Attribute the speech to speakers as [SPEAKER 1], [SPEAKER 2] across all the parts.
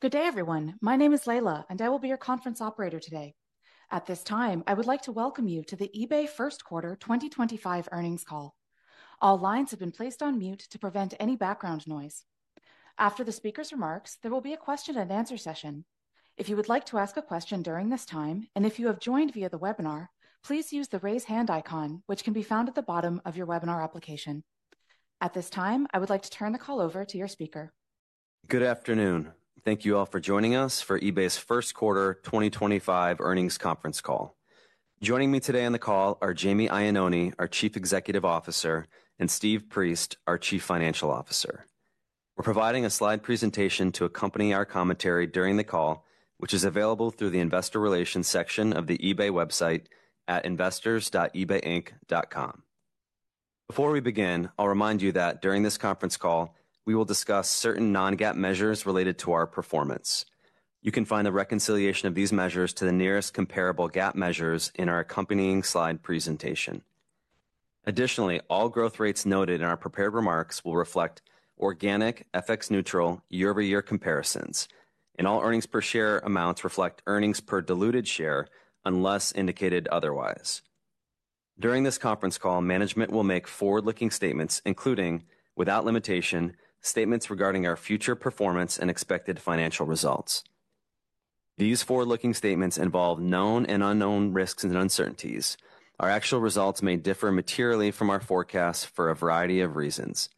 [SPEAKER 1] Good day, everyone. My name is Leila, and I will be your conference operator today. At this time, I would like to welcome you to the eBay First Quarter 2025 earnings call. All lines have been placed on mute to prevent any background noise. After the speaker's remarks, there will be a question-and-answer session. If you would like to ask a question during this time, and if you have joined via the webinar, please use the raise hand icon, which can be found at the bottom of your webinar application. At this time, I would like to turn the call over to your speaker.
[SPEAKER 2] Good afternoon. Thank you all for joining us for eBay's First Quarter 2025 earnings conference call. Joining me today on the call are Jamie Iannone, our Chief Executive Officer, and Steve Priest, our Chief Financial Officer. We're providing a slide presentation to accompany our commentary during the call, which is available through the Investor Relations section of the eBay website at investors.ebayinc.com. Before we begin, I'll remind you that during this conference call, we will discuss certain non-GAAP measures related to our performance. You can find the reconciliation of these measures to the nearest comparable GAAP measures in our accompanying slide presentation. Additionally, all growth rates noted in our prepared remarks will reflect organic, FX-neutral, year-over-year comparisons, and all earnings per share amounts reflect earnings per diluted share unless indicated otherwise. During this conference call, management will make forward-looking statements, including, without limitation, statements regarding our future performance and expected financial results. These forward-looking statements involve known and unknown risks and uncertainties. Our actual results may differ materially from our forecasts for a variety of reasons.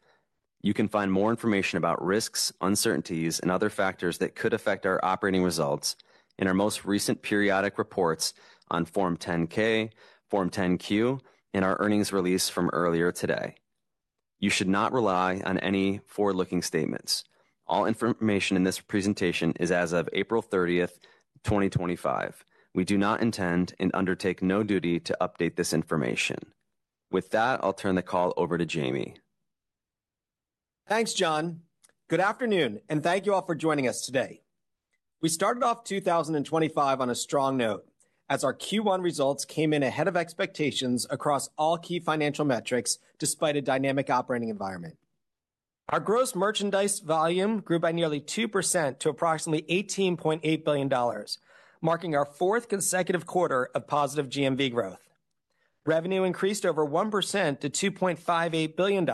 [SPEAKER 2] You can find more information about risks, uncertainties, and other factors that could affect our operating results in our most recent periodic reports on Form 10-K, Form 10-Q, and our earnings release from earlier today. You should not rely on any forward-looking statements. All information in this presentation is as of April 30, 2025. We do not intend and undertake no duty to update this information. With that, I'll turn the call over to Jamie.
[SPEAKER 3] Thanks, John. Good afternoon, and thank you all for joining us today. We started off 2025 on a strong note as our Q1 results came in ahead of expectations across all key financial metrics despite a dynamic operating environment. Our gross merchandise volume grew by nearly 2% to approximately $18.8 billion, marking our fourth consecutive quarter of positive GMV growth. Revenue increased over 1% to $2.58 billion.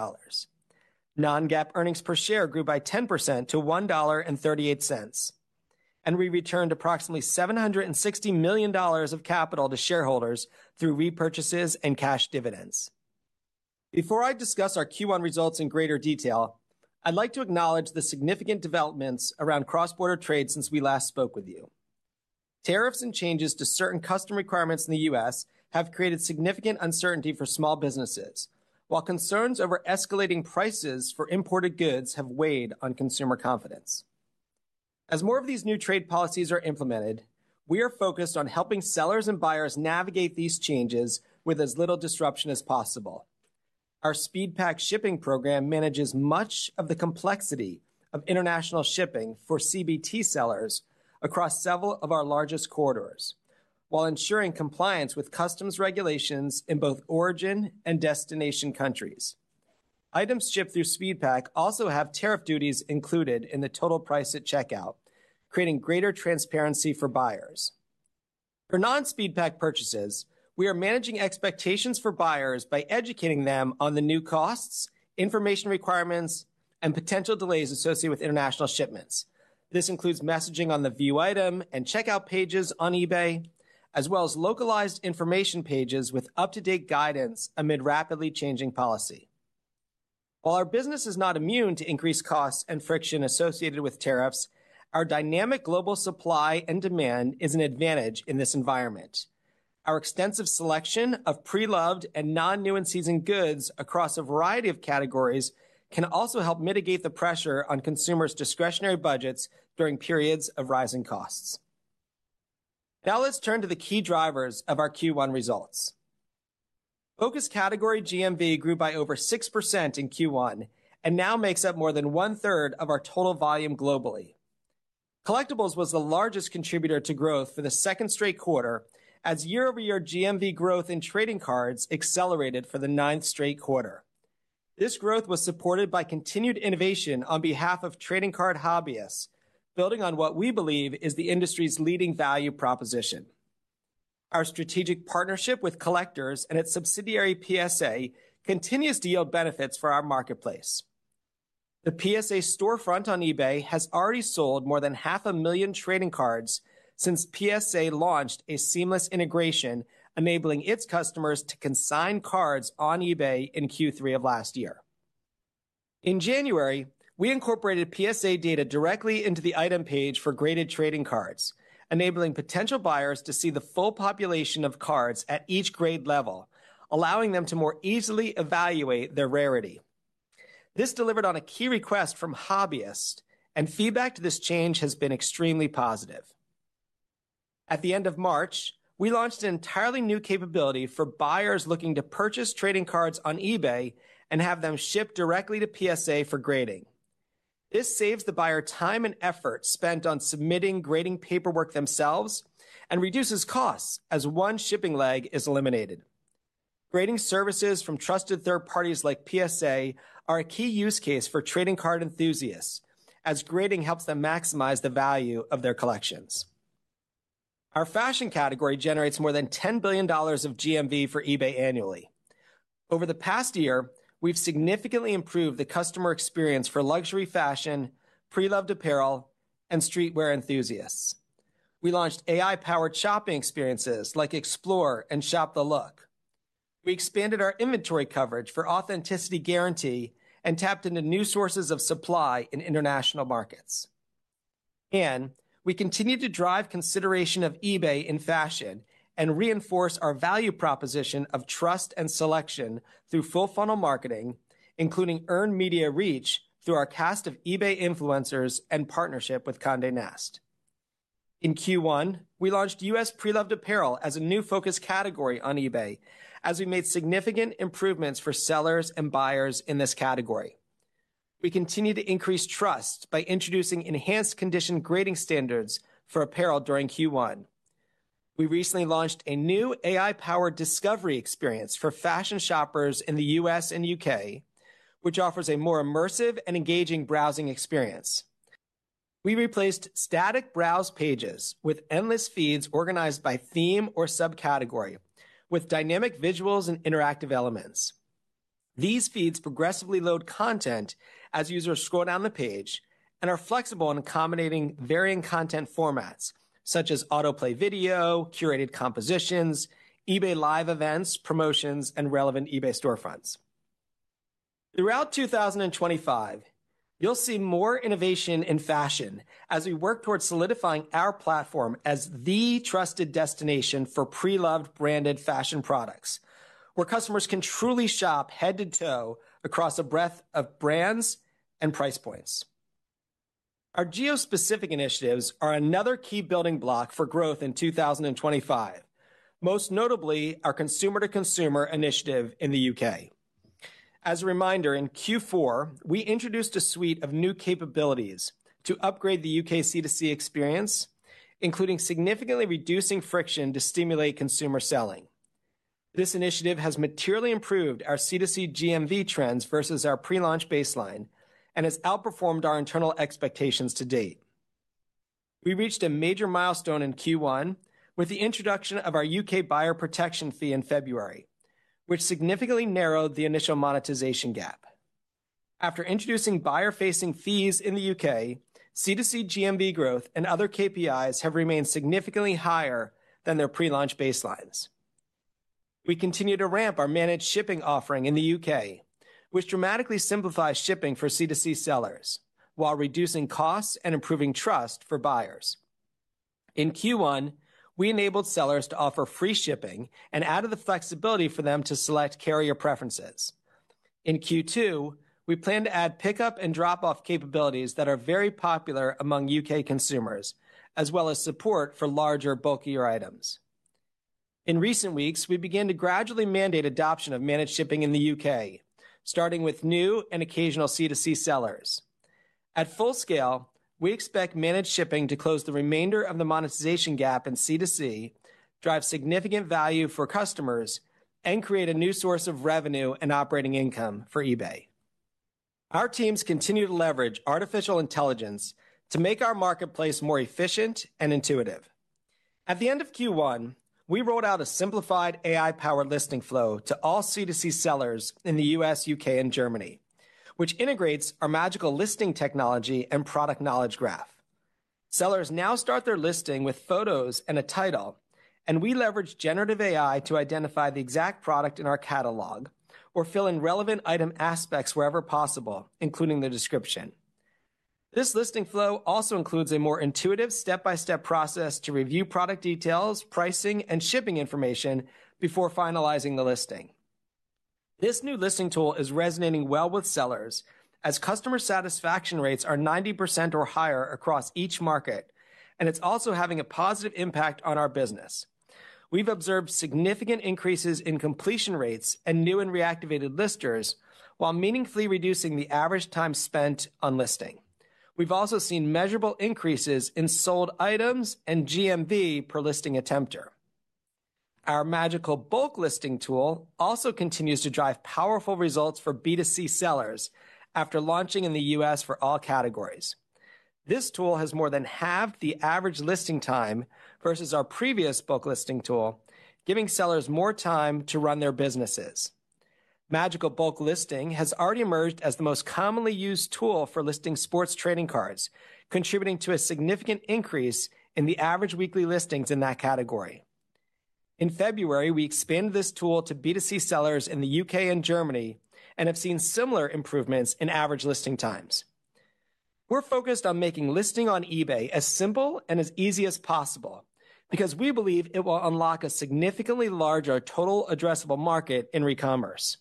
[SPEAKER 3] Non-GAAP earnings per share grew by 10% to $1.38, and we returned approximately $760 million of capital to shareholders through repurchases and cash dividends. Before I discuss our Q1 results in greater detail, I'd like to acknowledge the significant developments around cross-border trade since we last spoke with you. Tariffs and changes to certain customs requirements in the U.S. have created significant uncertainty for small businesses, while concerns over escalating prices for imported goods have weighed on consumer confidence. As more of these new trade policies are implemented, we are focused on helping sellers and buyers navigate these changes with as little disruption as possible. Our SpeedPak shipping program manages much of the complexity of international shipping for CBT sellers across several of our largest corridors, while ensuring compliance with customs regulations in both origin and destination countries. Items shipped through SpeedPak also have tariff duties included in the total price at checkout, creating greater transparency for buyers. For non-SpeedPak purchases, we are managing expectations for buyers by educating them on the new costs, information requirements, and potential delays associated with international shipments. This includes messaging on the view item and checkout pages on eBay, as well as localized information pages with up-to-date guidance amid rapidly changing policy. While our business is not immune to increased costs and friction associated with tariffs, our dynamic global supply and demand is an advantage in this environment. Our extensive selection of pre-loved and non-new and seasoned goods across a variety of categories can also help mitigate the pressure on consumers' discretionary budgets during periods of rising costs. Now let's turn to the key drivers of our Q1 results. Focus category GMV grew by over 6% in Q1 and now makes up more than one-third of our total volume globally. Collectibles was the largest contributor to growth for the second straight quarter, as year-over-year GMV growth in trading cards accelerated for the ninth straight quarter. This growth was supported by continued innovation on behalf of trading card hobbyists, building on what we believe is the industry's leading value proposition. Our strategic partnership with Collectors and its subsidiary PSA continues to yield benefits for our marketplace. The PSA storefront on eBay has already sold more than 500,000 trading cards since PSA launched a seamless integration enabling its customers to consign cards on eBay in Q3 of last year. In January, we incorporated PSA data directly into the item page for graded trading cards, enabling potential buyers to see the full population of cards at each grade level, allowing them to more easily evaluate their rarity. This delivered on a key request from hobbyists, and feedback to this change has been extremely positive. At the end of March, we launched an entirely new capability for buyers looking to purchase trading cards on eBay and have them shipped directly to PSA for grading. This saves the buyer time and effort spent on submitting grading paperwork themselves and reduces costs as one shipping leg is eliminated. Grading services from trusted third parties like PSA are a key use case for trading card enthusiasts, as grading helps them maximize the value of their collections. Our fashion category generates more than $10 billion of GMV for eBay annually. Over the past year, we have significantly improved the customer experience for luxury fashion, pre-loved apparel, and streetwear enthusiasts. We launched AI-powered shopping experiences like Explore and Shop the Look. We expanded our inventory coverage for authenticity guarantee and tapped into new sources of supply in international markets. We continue to drive consideration of eBay in fashion and reinforce our value proposition of trust and selection through full-funnel marketing, including earned media reach through our cast of eBay influencers and partnership with Condé Nast. In Q1, we launched U.S. pre-loved apparel as a new focus category on eBay, as we made significant improvements for sellers and buyers in this category. We continue to increase trust by introducing enhanced condition grading standards for apparel during Q1. We recently launched a new AI-powered discovery experience for fashion shoppers in the U.S. and U.K., which offers a more immersive and engaging browsing experience. We replaced static browse pages with endless feeds organized by theme or subcategory, with dynamic visuals and interactive elements. These feeds progressively load content as users scroll down the page and are flexible in accommodating varying content formats, such as autoplay video, curated compositions, eBay Live events, promotions, and relevant eBay storefronts. Throughout 2025, you'll see more innovation in fashion as we work towards solidifying our platform as the trusted destination for pre-loved branded fashion products, where customers can truly shop head to toe across a breadth of brands and price points. Our geo-specific initiatives are another key building block for growth in 2025, most notably our consumer-to-consumer initiative in the U.K. As a reminder, in Q4, we introduced a suite of new capabilities to upgrade the U.K. C2C experience, including significantly reducing friction to stimulate consumer selling. This initiative has materially improved our C2C GMV trends versus our pre-launch baseline and has outperformed our internal expectations to date. We reached a major milestone in Q1 with the introduction of our U.K. buyer protection fee in February, which significantly narrowed the initial monetization gap. After introducing buyer-facing fees in the U.K., C2C GMV growth and other KPIs have remained significantly higher than their pre-launch baselines. We continue to ramp our managed shipping offering in the U.K., which dramatically simplifies shipping for C2C sellers while reducing costs and improving trust for buyers. In Q1, we enabled sellers to offer free shipping and added the flexibility for them to select carrier preferences. In Q2, we plan to add pickup and drop-off capabilities that are very popular among U.K. consumers, as well as support for larger, bulkier items. In recent weeks, we began to gradually mandate adoption of managed shipping in the U.K., starting with new and occasional C2C sellers. At full scale, we expect managed shipping to close the remainder of the monetization gap in C2C, drive significant value for customers, and create a new source of revenue and operating income for eBay. Our teams continue to leverage artificial intelligence to make our marketplace more efficient and intuitive. At the end of Q1, we rolled out a simplified AI-powered listing flow to all C2C sellers in the U.S., U.K., and Germany, which integrates our Magical Listing technology and product knowledge graph. Sellers now start their listing with photos and a title, and we leverage generative AI to identify the exact product in our catalog or fill in relevant item aspects wherever possible, including the description. This listing flow also includes a more intuitive step-by-step process to review product details, pricing, and shipping information before finalizing the listing. This new listing tool is resonating well with sellers as customer satisfaction rates are 90% or higher across each market, and it's also having a positive impact on our business. We've observed significant increases in completion rates and new and reactivated listers while meaningfully reducing the average time spent on listing. We've also seen measurable increases in sold items and GMV per listing attempter. Our Magical Bulk Listing tool also continues to drive powerful results for B2C sellers after launching in the U.S. for all categories. This tool has more than half the average listing time versus our previous bulk listing tool, giving sellers more time to run their businesses. Magical Bulk Listing has already emerged as the most commonly used tool for listing sports trading cards, contributing to a significant increase in the average weekly listings in that category. In February, we expanded this tool to B2C sellers in the U.K. and Germany and have seen similar improvements in average listing times. We're focused on making listing on eBay as simple and as easy as possible because we believe it will unlock a significantly larger total addressable market in recommerce.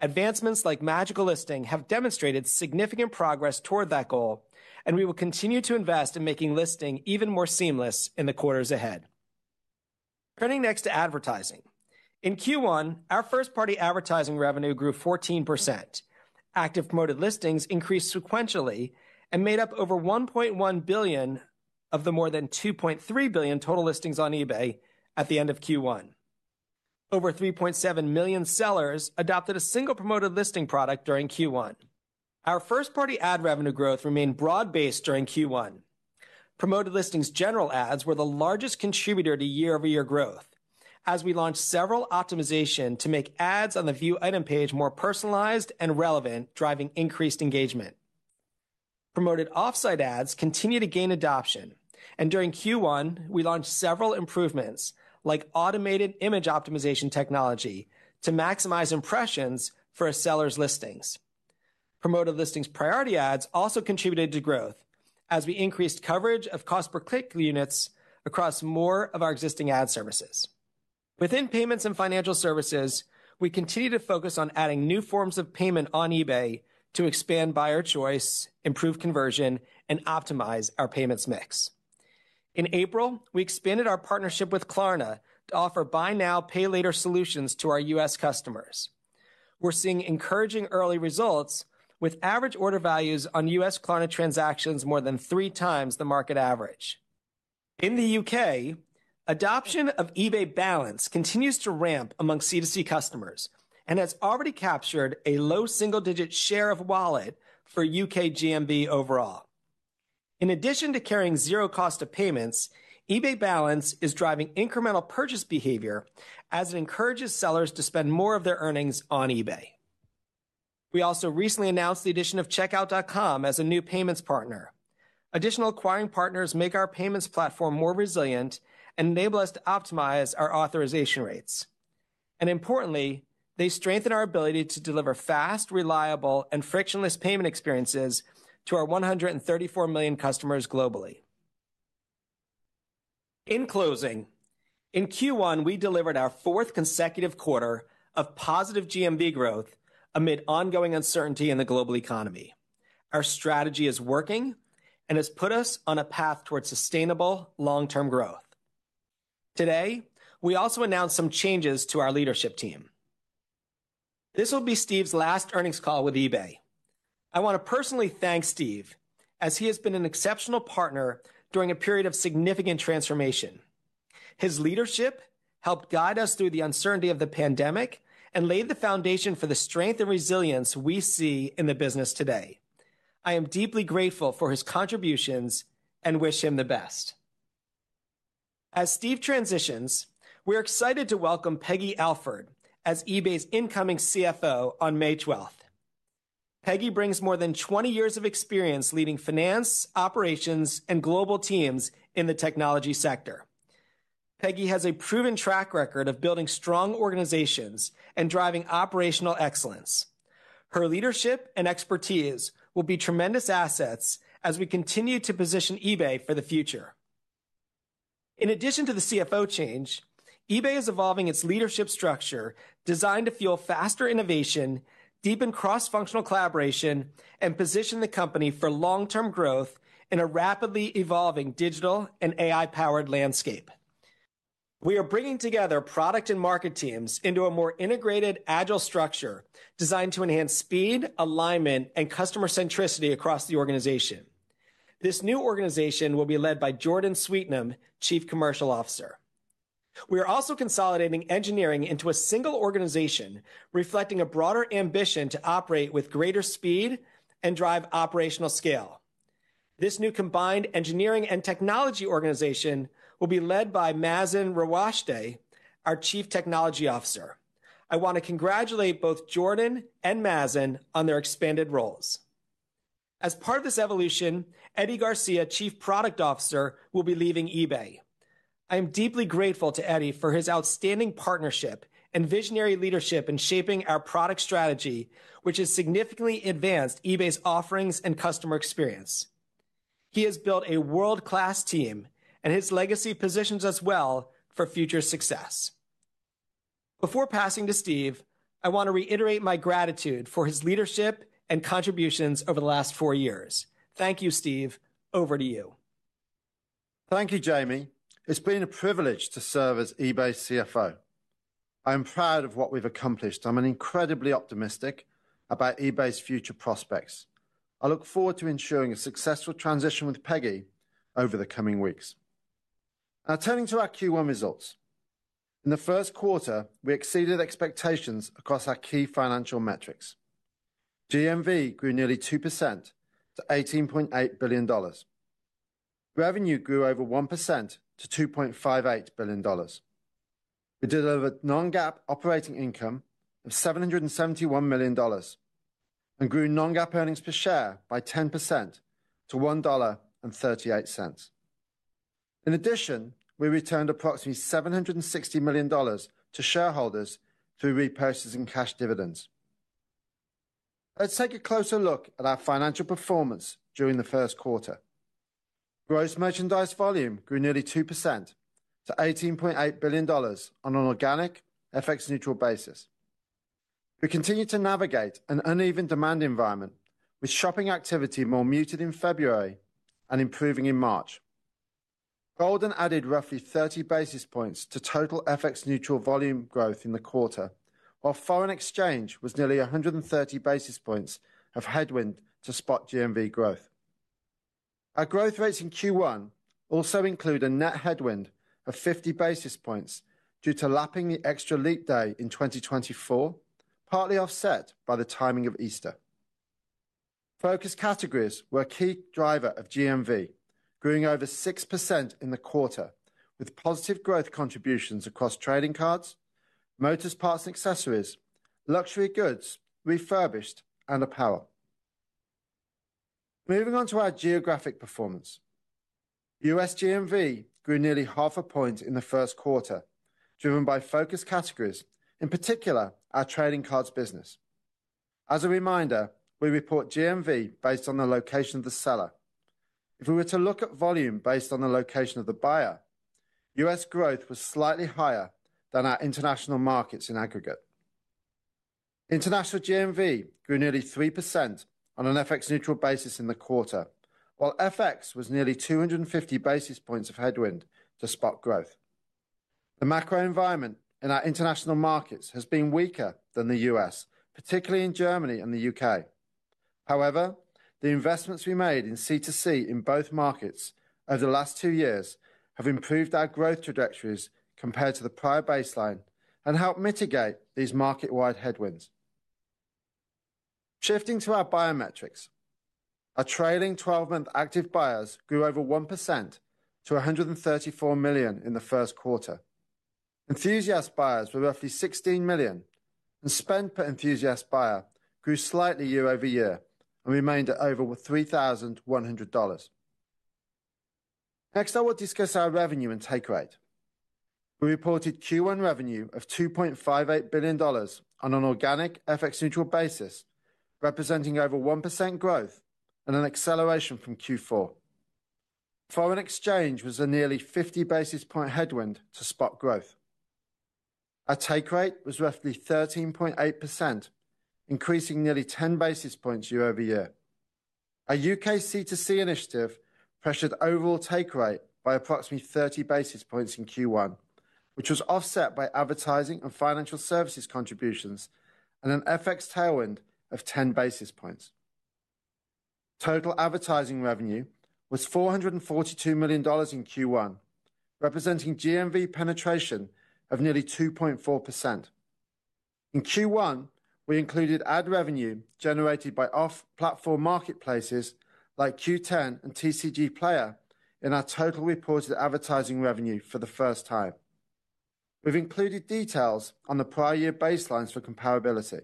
[SPEAKER 3] Advancements like Magical Listing have demonstrated significant progress toward that goal, and we will continue to invest in making listing even more seamless in the quarters ahead. Turning next to advertising. In Q1, our first-party advertising revenue grew 14%. Active Promoted Listings increased sequentially and made up over 1.1 billion of the more than 2.3 billion total listings on eBay at the end of Q1. Over 3.7 million sellers adopted a single Promoted Listing product during Q1. Our first-party ad revenue growth remained broad-based during Q1. Promoted Listings' general ads were the largest contributor to year-over-year growth, as we launched several optimizations to make ads on the view item page more personalized and relevant, driving increased engagement. Promoted offsite ads continue to gain adoption, and during Q1, we launched several improvements, like automated image optimization technology, to maximize impressions for a seller's listings. Promoted listings' priority ads also contributed to growth as we increased coverage of cost per click units across more of our existing ad services. Within payments and financial services, we continue to focus on adding new forms of payment on eBay to expand buyer choice, improve conversion, and optimize our payments mix. In April, we expanded our partnership with Klarna to offer buy now, pay later solutions to our U.S. customers. We're seeing encouraging early results, with average order values on U.S. Klarna transactions more than three times the market average. In the U.K., adoption of eBay Balance continues to ramp among C2C customers and has already captured a low single-digit share of wallet for U.K. GMV overall. In addition to carrying zero cost of payments, eBay Balance is driving incremental purchase behavior as it encourages sellers to spend more of their earnings on eBay. We also recently announced the addition of Checkout.com as a new payments partner. Additional acquiring partners make our payments platform more resilient and enable us to optimize our authorization rates. Importantly, they strengthen our ability to deliver fast, reliable, and frictionless payment experiences to our 134 million customers globally. In closing, in Q1, we delivered our fourth consecutive quarter of positive GMV growth amid ongoing uncertainty in the global economy. Our strategy is working and has put us on a path towards sustainable long-term growth. Today, we also announced some changes to our leadership team. This will be Steve's last earnings call with eBay. I want to personally thank Steve as he has been an exceptional partner during a period of significant transformation. His leadership helped guide us through the uncertainty of the pandemic and laid the foundation for the strength and resilience we see in the business today. I am deeply grateful for his contributions and wish him the best. As Steve transitions, we're excited to welcome Peggy Alford as eBay's incoming CFO on May 12th. Peggy brings more than 20 years of experience leading finance, operations, and global teams in the technology sector. Peggy has a proven track record of building strong organizations and driving operational excellence. Her leadership and expertise will be tremendous assets as we continue to position eBay for the future. In addition to the CFO change, eBay is evolving its leadership structure designed to fuel faster innovation, deepen cross-functional collaboration, and position the company for long-term growth in a rapidly evolving digital and AI-powered landscape. We are bringing together product and market teams into a more integrated, agile structure designed to enhance speed, alignment, and customer centricity across the organization. This new organization will be led by Jordan Sweetnam, Chief Commercial Officer. We are also consolidating engineering into a single organization, reflecting a broader ambition to operate with greater speed and drive operational scale. This new combined engineering and technology organization will be led by Mazen Rawashdeh, our Chief Technology Officer. I want to congratulate both Jordan and Mazen on their expanded roles. As part of this evolution, Eddie Garcia, Chief Product Officer, will be leaving eBay. I am deeply grateful to Eddie for his outstanding partnership and visionary leadership in shaping our product strategy, which has significantly advanced eBay's offerings and customer experience. He has built a world-class team, and his legacy positions us well for future success. Before passing to Steve, I want to reiterate my gratitude for his leadership and contributions over the last four years. Thank you, Steve. Over to you.
[SPEAKER 4] Thank you, Jamie. It's been a privilege to serve as eBay's CFO. I'm proud of what we've accomplished. I'm incredibly optimistic about eBay's future prospects. I look forward to ensuring a successful transition with Peggy over the coming weeks. Now, turning to our Q1 results. In the first quarter, we exceeded expectations across our key financial metrics. GMV grew nearly 2% to $18.8 billion. Revenue grew over 1% to $2.58 billion. We delivered non-GAAP operating income of $771 million and grew non-GAAP earnings per share by 10% to $1.38. In addition, we returned approximately $760 million to shareholders through repurchasing cash dividends. Let's take a closer look at our financial performance during the first quarter. Gross merchandise volume grew nearly 2% to $18.8 billion on an organic, FX-neutral basis. We continue to navigate an uneven demand environment, with shopping activity more muted in February and improving in March. Goldin added roughly 30 basis points to total FX-neutral volume growth in the quarter, while foreign exchange was nearly 130 basis points of headwind to spot GMV growth. Our growth rates in Q1 also include a net headwind of 50 basis points due to lapping the extra leap day in 2024, partly offset by the timing of Easter. Focus categories were a key driver of GMV, growing over 6% in the quarter, with positive growth contributions across trading cards, motors, parts, and accessories, luxury goods, refurbished, and apparel. Moving on to our geographic performance, U.S. GMV grew nearly half a point in the first quarter, driven by focus categories, in particular our trading cards business. As a reminder, we report GMV based on the location of the seller. If we were to look at volume based on the location of the buyer, U.S. growth was slightly higher than our international markets in aggregate. International GMV grew nearly 3% on an FX-neutral basis in the quarter, while FX was nearly 250 basis points of headwind to spot growth. The macro environment in our international markets has been weaker than the U.S., particularly in Germany and the U.K. However, the investments we made in C2C in both markets over the last two years have improved our growth trajectories compared to the prior baseline and helped mitigate these market-wide headwinds. Shifting to our buyer metrics, our trailing 12-month active buyers grew over 1% to $134 million in the first quarter. Enthusiast buyers were roughly 16 million, and spend per enthusiast buyer grew slightly year-over-year and remained at over $3,100. Next, I will discuss our revenue and take rate. We reported Q1 revenue of $2.58 billion on an organic, FX-neutral basis, representing over 1% growth and an acceleration from Q4. Foreign exchange was a nearly 50 basis point headwind to spot growth. Our take rate was roughly 13.8%, increasing nearly 10 basis points year-over-year. Our U.K. C2C initiative pressured overall take rate by approximately 30 basis points in Q1, which was offset by advertising and financial services contributions and an FX tailwind of 10 basis points. Total advertising revenue was $442 million in Q1, representing GMV penetration of nearly 2.4%. In Q1, we included ad revenue generated by off-platform marketplaces like Q10 and TCGplayer in our total reported advertising revenue for the first time. We've included details on the prior year baselines for comparability.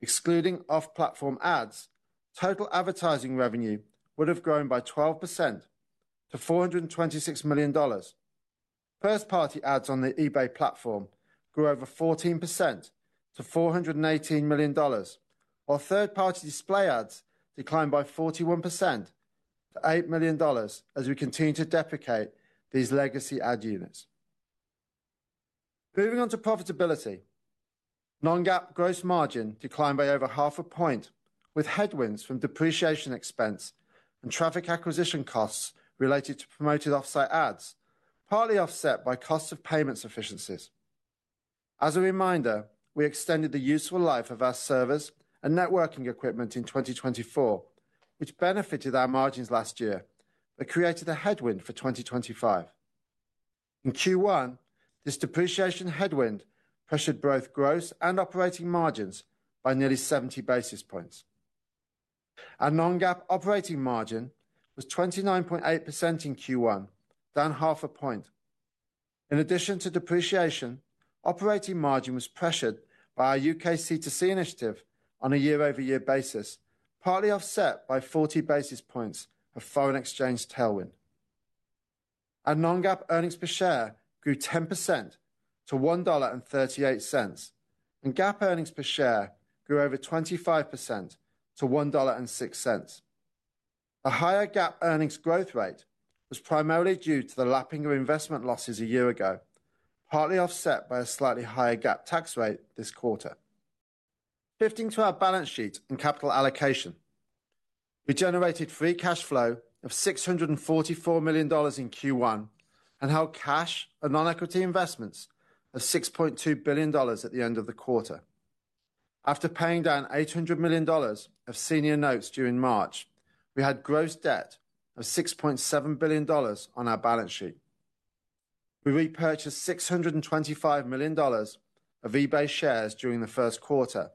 [SPEAKER 4] Excluding off-platform ads, total advertising revenue would have grown by 12% to $426 million. First-party ads on the eBay platform grew over 14% to $418 million, while third-party display ads declined by 41% to $8 million as we continue to deprecate these legacy ad units. Moving on to profitability, non-GAAP gross margin declined by over half a point, with headwinds from depreciation expense and traffic acquisition costs related to Promoted Offsite Ads, partly offset by cost of payments efficiencies. As a reminder, we extended the useful life of our servers and networking equipment in 2024, which benefited our margins last year, but created a headwind for 2025. In Q1, this depreciation headwind pressured both gross and operating margins by nearly 70 basis points. Our non-GAAP operating margin was 29.8% in Q1, down half a point. In addition to depreciation, operating margin was pressured by our U.K. C2C initiative on a year-over-year basis, partly offset by 40 basis points of foreign exchange tailwind. Our non-GAAP earnings per share grew 10% to $1.38, and GAAP earnings per share grew over 25% to $1.06. A higher GAAP earnings growth rate was primarily due to the lapping of investment losses a year ago, partly offset by a slightly higher GAAP tax rate this quarter. Shifting to our balance sheet and capital allocation, we generated free cash flow of $644 million in Q1 and held cash and non-equity investments of $6.2 billion at the end of the quarter. After paying down $800 million of senior notes during March, we had gross debt of $6.7 billion on our balance sheet. We repurchased $625 million of eBay shares during the first quarter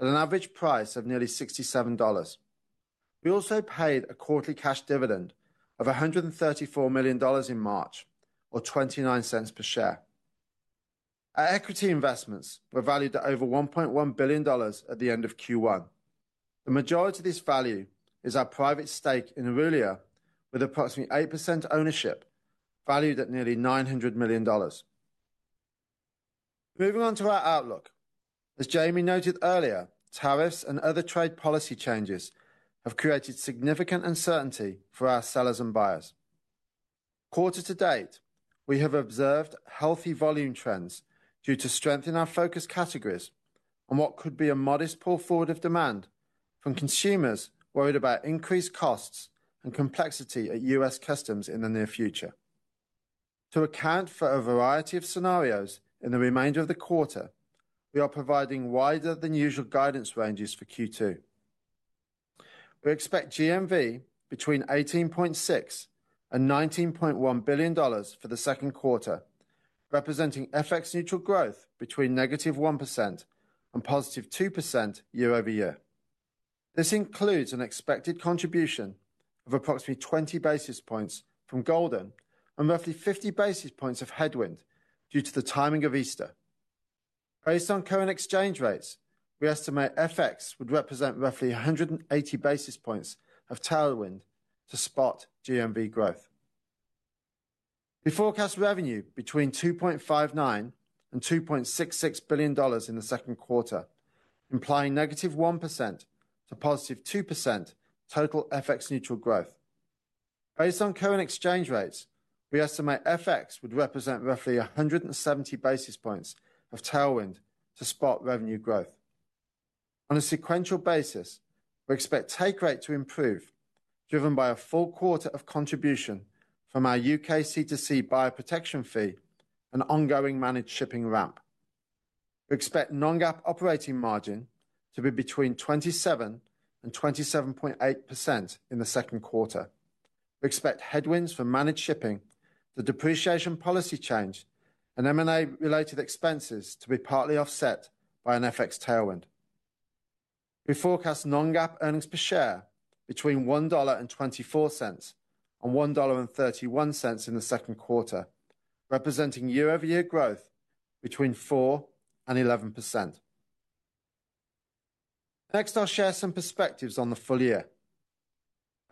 [SPEAKER 4] at an average price of nearly $67. We also paid a quarterly cash dividend of $134 million in March, or $0.29 per share. Our equity investments were valued at over $1.1 billion at the end of Q1. The majority of this value is our private stake in Erulia, with approximately 8% ownership valued at nearly $900 million. Moving on to our outlook. As Jamie noted earlier, tariffs and other trade policy changes have created significant uncertainty for our sellers and buyers. Quarter to date, we have observed healthy volume trends due to strength in our focus categories and what could be a modest pull forward of demand from consumers worried about increased costs and complexity at U.S. customs in the near future. To account for a variety of scenarios in the remainder of the quarter, we are providing wider-than-usual guidance ranges for Q2. We expect GMV between $18.6 billion and $19.1 billion for the second quarter, representing FX-neutral growth between negative 1% and positive 2% year-over-year. This includes an expected contribution of approximately 20 basis points from Goldin and roughly 50 basis points of headwind due to the timing of Easter. Based on current exchange rates, we estimate FX would represent roughly 180 basis points of tailwind to spot GMV growth. We forecast revenue between $2.59 billion and $2.66 billion in the second quarter, implying negative 1% to +2% total FX-neutral growth. Based on current exchange rates, we estimate FX would represent roughly 170 basis points of tailwind to spot revenue growth. On a sequential basis, we expect take rate to improve, driven by a full quarter of contribution from our U.K. C2C buyer protection fee and ongoing managed shipping ramp. We expect non-GAAP operating margin to be between 27% and 27.8% in the second quarter. We expect headwinds for managed shipping, the depreciation policy change, and M&A-related expenses to be partly offset by an FX tailwind. We forecast non-GAAP earnings per share between $1.24 and $1.31 in the second quarter, representing year-over-year growth between 4% and 11%. Next, I'll share some perspectives on the full year.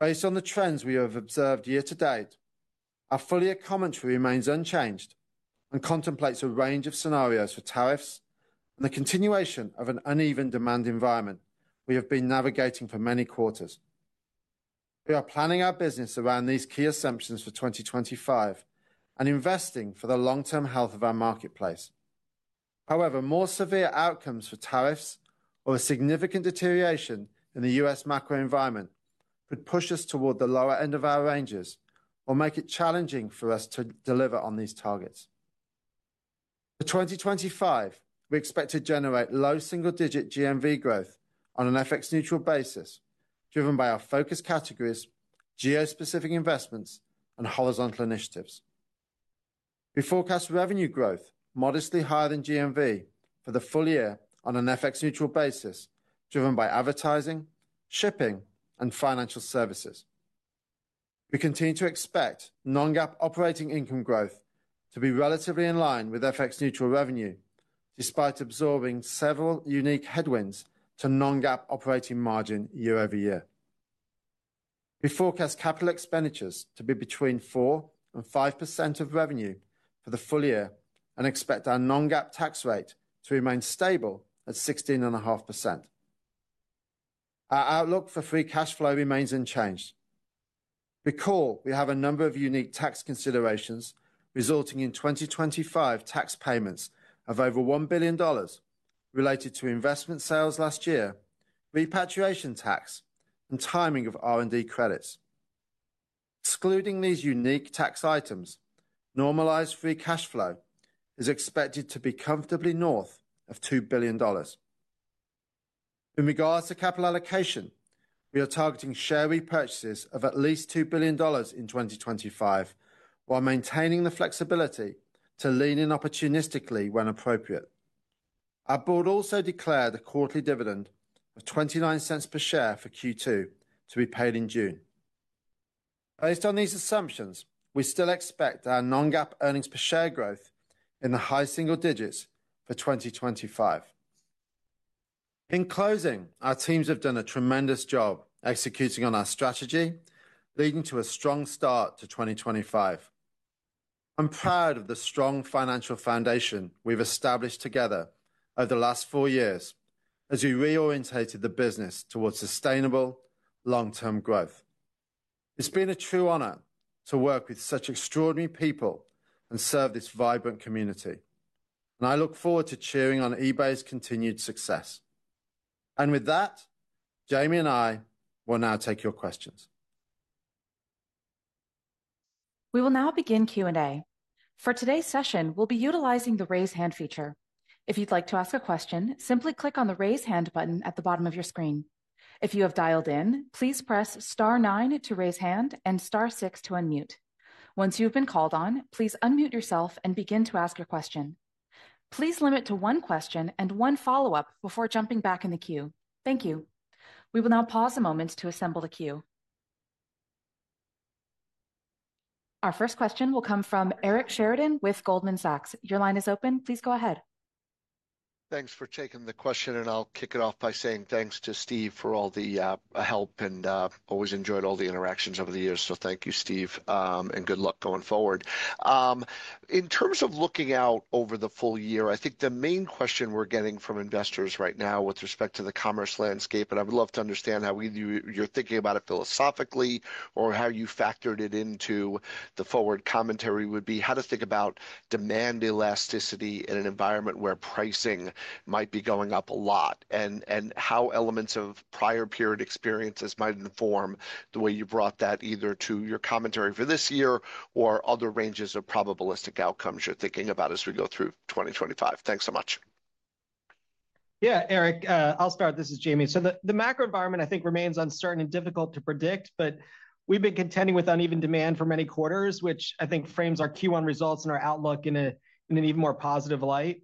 [SPEAKER 4] Based on the trends we have observed year to date, our full year commentary remains unchanged and contemplates a range of scenarios for tariffs and the continuation of an uneven demand environment we have been navigating for many quarters. We are planning our business around these key assumptions for 2025 and investing for the long-term health of our marketplace. However, more severe outcomes for tariffs or a significant deterioration in the U.S. macro environment could push us toward the lower end of our ranges or make it challenging for us to deliver on these targets. For 2025, we expect to generate low single-digit GMV growth on an FX-neutral basis, driven by our focus categories, geo-specific investments, and horizontal initiatives. We forecast revenue growth modestly higher than GMV for the full year on an FX-neutral basis, driven by advertising, shipping, and financial services. We continue to expect non-GAAP operating income growth to be relatively in line with FX-neutral revenue, despite absorbing several unique headwinds to non-GAAP operating margin year-over-year. We forecast capital expenditures to be between 4%-5% of revenue for the full year and expect our non-GAAP tax rate to remain stable at 16.5%. Our outlook for free cash flow remains unchanged. Recall we have a number of unique tax considerations resulting in 2025 tax payments of over $1 billion related to investment sales last year, repatriation tax, and timing of R&D credits. Excluding these unique tax items, normalized free cash flow is expected to be comfortably north of $2 billion. In regards to capital allocation, we are targeting share repurchases of at least $2 billion in 2025, while maintaining the flexibility to lean in opportunistically when appropriate. Our board also declared a quarterly dividend of $0.29 per share for Q2 to be paid in June. Based on these assumptions, we still expect our non-GAAP earnings per share growth in the high single-digits for 2025. In closing, our teams have done a tremendous job executing on our strategy, leading to a strong start to 2025. I'm proud of the strong financial foundation we've established together over the last four years as we reorientated the business toward sustainable long-term growth. It's been a true honor to work with such extraordinary people and serve this vibrant community, and I look forward to cheering on eBay's continued success. Jamie and I will now take your questions.
[SPEAKER 1] We will now begin Q&A. For today's session, we'll be utilizing the raise hand feature. If you'd like to ask a question, simply click on the raise hand button at the bottom of your screen. If you have dialed in, please press star nine to raise hand and star six to unmute. Once you've been called on, please unmute yourself and begin to ask a question. Please limit to one question and one follow-up before jumping back in the queue. Thank you. We will now pause a moment to assemble the queue. Our first question will come from Eric Sheridan with Goldman Sachs. Your line is open. Please go ahead.
[SPEAKER 5] Thanks for taking the question, and I'll kick it off by saying thanks to Steve for all the help and always enjoyed all the interactions over the years. Thank you, Steve, and good luck going forward. In terms of looking out over the full year, I think the main question we're getting from investors right now with respect to the commerce landscape, and I would love to understand how either you're thinking about it philosophically or how you factored it into the forward commentary, would be how to think about demand elasticity in an environment where pricing might be going up a lot and how elements of prior period experiences might inform the way you brought that either to your commentary for this year or other ranges of probabilistic outcomes you're thinking about as we go through 2025. Thanks so much.
[SPEAKER 3] Yeah, Eric, I'll start. This is Jamie. The macro environment, I think, remains uncertain and difficult to predict, but we've been contending with uneven demand for many quarters, which I think frames our Q1 results and our outlook in an even more positive light.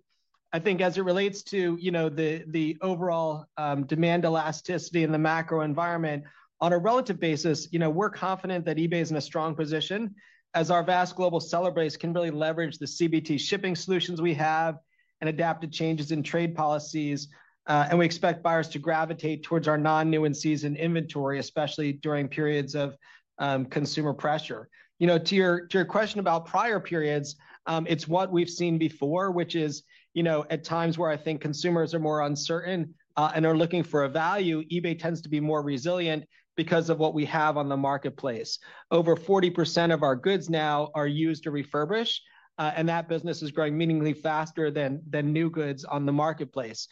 [SPEAKER 3] I think as it relates to the overall demand elasticity in the macro environment, on a relative basis, we're confident that eBay is in a strong position as our vast global seller base can really leverage the CBT shipping solutions we have and adaptive changes in trade policies. We expect buyers to gravitate towards our non-new in season inventory, especially during periods of consumer pressure. To your question about prior periods, it's what we've seen before, which is at times where I think consumers are more uncertain and are looking for a value, eBay tends to be more resilient because of what we have on the marketplace. Over 40% of our goods now are used to refurbish, and that business is growing meaningfully faster than new goods on the marketplace.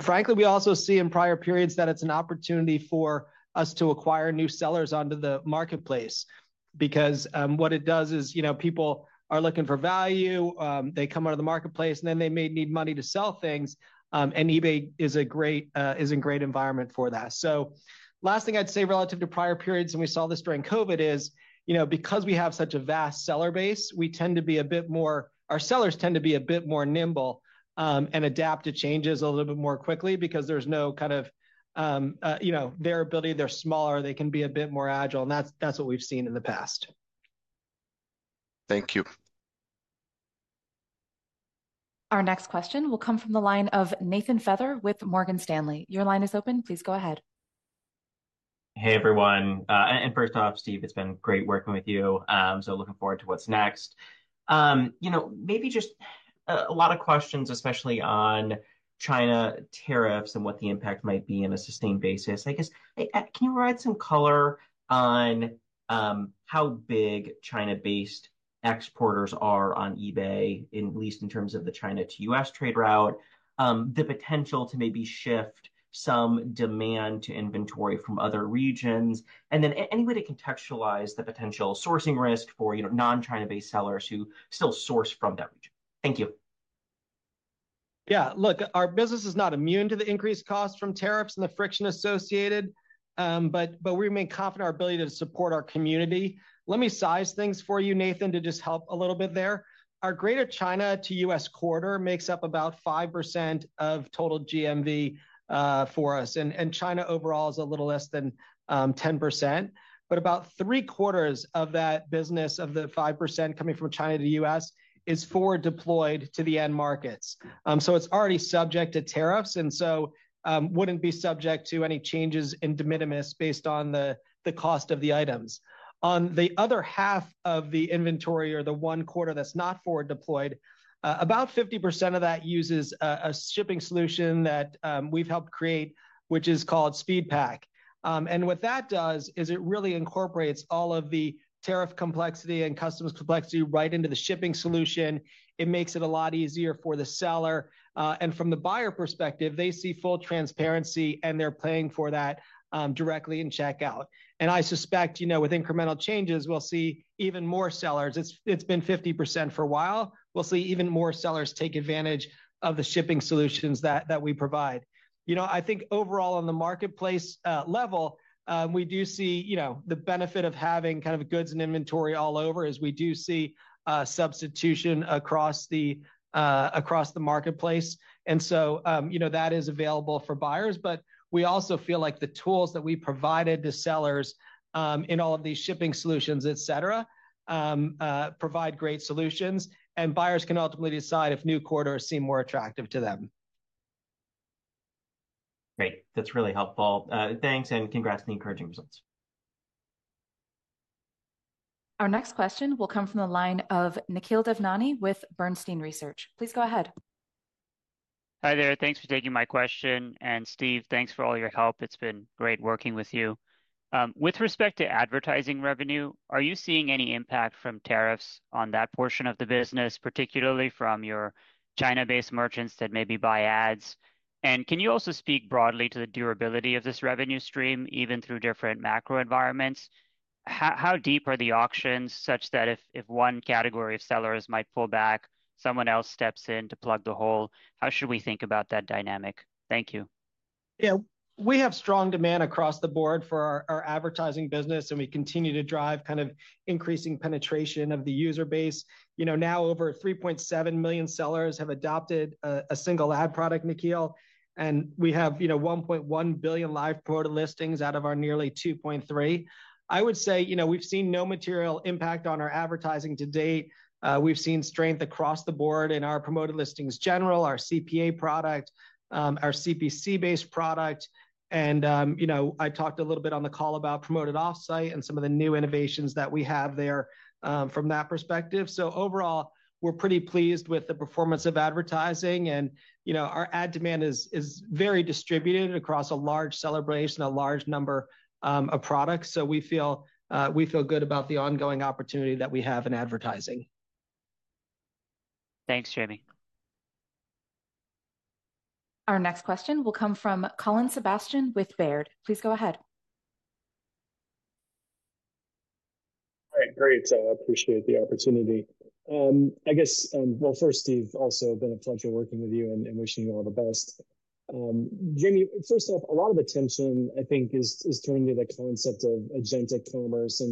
[SPEAKER 3] Frankly, we also see in prior periods that it's an opportunity for us to acquire new sellers onto the marketplace because what it does is people are looking for value, they come out of the marketplace, and then they may need money to sell things, and eBay is a great environment for that. Last thing I'd say relative to prior periods, and we saw this during COVID, is because we have such a vast seller base, we tend to be a bit more—our sellers tend to be a bit more nimble and adapt to changes a little bit more quickly because there's no kind of variability. They're smaller. They can be a bit more agile, and that's what we've seen in the past.
[SPEAKER 5] Thank you.
[SPEAKER 1] Our next question will come from the line of Nathan Feather with Morgan Stanley. Your line is open. Please go ahead.
[SPEAKER 6] Hey, everyone. First off, Steve, it's been great working with you. Looking forward to what's next. Maybe just a lot of questions, especially on China tariffs and what the impact might be on a sustained basis. I guess, can you provide some color on how big China-based exporters are on eBay, at least in terms of the China to U.S. trade route, the potential to maybe shift some demand to inventory from other regions, and then any way to contextualize the potential sourcing risk for non-China-based sellers who still source from that region? Thank you.
[SPEAKER 3] Yeah, look, our business is not immune to the increased costs from tariffs and the friction associated, but we remain confident in our ability to support our community. Let me size things for you, Nathan, to just help a little bit there. Our greater China to U.S. quarter makes up about 5% of total GMV for us, and China overall is a little less than 10%. About three quarters of that business, of the 5% coming from China to U.S., is forward deployed to the end markets. It is already subject to tariffs and so would not be subject to any changes in de minimis based on the cost of the items. On the other half of the inventory or the one quarter that is not forward deployed, about 50% of that uses a shipping solution that we have helped create, which is called SpeedPak. What that does is it really incorporates all of the tariff complexity and customs complexity right into the shipping solution. It makes it a lot easier for the seller. From the buyer perspective, they see full transparency and they are paying for that directly in checkout. I suspect with incremental changes, we will see even more sellers. It has been 50% for a while. We will see even more sellers take advantage of the shipping solutions that we provide. I think overall, on the marketplace level, we do see the benefit of having goods and inventory all over as we do see substitution across the marketplace. That is available for buyers, but we also feel like the tools that we provided to sellers in all of these shipping solutions, etc., provide great solutions, and buyers can ultimately decide if new quarters seem more attractive to them.
[SPEAKER 6] Great. That is really helpful. Thanks and congrats on the encouraging results.
[SPEAKER 1] Our next question will come from the line of Nikhil Devnani with Bernstein Research. Please go ahead.
[SPEAKER 7] Hi there. Thanks for taking my question. Steve, thanks for all your help. It's been great working with you. With respect to advertising revenue, are you seeing any impact from tariffs on that portion of the business, particularly from your China-based merchants that maybe buy ads? Can you also speak broadly to the durability of this revenue stream, even through different macro environments? How deep are the auctions such that if one category of sellers might pull back, someone else steps in to plug the hole? How should we think about that dynamic? Thank you.
[SPEAKER 3] Yeah, we have strong demand across the board for our advertising business, and we continue to drive kind of increasing penetration of the user base. Now, over 3.7 million sellers have adopted a single ad product, Nikhil, and we have 1.1 billion live promoted listings out of our nearly 2.3. I would say we've seen no material impact on our advertising to date. We've seen strength across the board in our Promoted Listings general, our CPA product, our CPC-based product. I talked a little bit on the call about Promoted Offsite and some of the new innovations that we have there from that perspective. Overall, we're pretty pleased with the performance of advertising, and our ad demand is very distributed across a large seller base and a large number of products. We feel good about the ongoing opportunity that we have in advertising.
[SPEAKER 7] Thanks, Jamie.
[SPEAKER 1] Our next question will come from Colin Sebastian with Baird. Please go ahead.
[SPEAKER 8] All right, great. I appreciate the opportunity. I guess, first, Steve, also been a pleasure working with you and wishing you all the best. Jamie, first off, a lot of attention, I think, is turning to the concept of agentic commerce.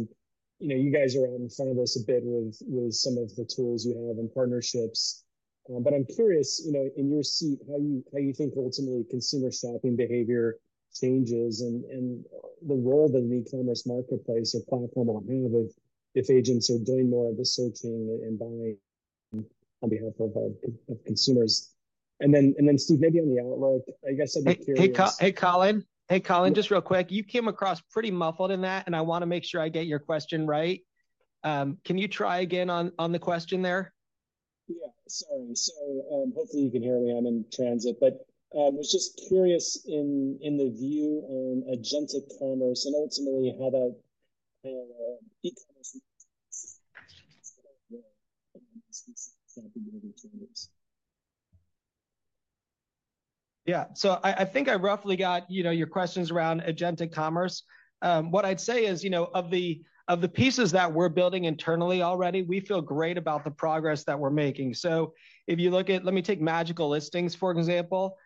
[SPEAKER 8] You guys are on the front of this a bit with some of the tools you have and partnerships. I am curious, in your seat, how you think ultimately consumer shopping behavior changes and the role that an e-commerce marketplace or platform will have if agents are doing more of the searching and buying on behalf of consumers. Steve, maybe on the outlook, I guess I would be curious.
[SPEAKER 3] Hey, Colin. Hey, Colin, just real quick. You came across pretty muffled in that, and I want to make sure I get your question right. Can you try again on the question there?
[SPEAKER 8] Yeah, sorry. Hopefully you can hear me. I am in transit. I was just curious in the view on agentic commerce and ultimately how that e-commerce—
[SPEAKER 3] yeah, I think I roughly got your questions around agentic commerce. What I'd say is, of the pieces that we're building internally already, we feel great about the progress that we're making. If you look at, let me take Magical Listing, for example,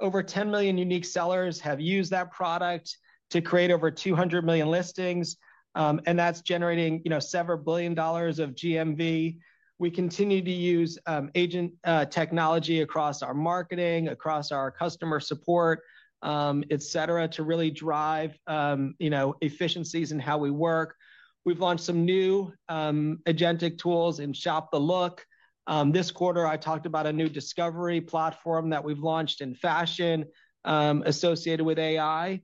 [SPEAKER 3] over 10 million unique sellers have used that product to create over 200 million listings, and that's generating several billion dollars of GMV. We continue to use agent technology across our marketing, across our customer support, etc., to really drive efficiencies in how we work. We've launched some new agentic tools in Shop the Look. This quarter, I talked about a new discovery platform that we've launched in fashion associated with AI.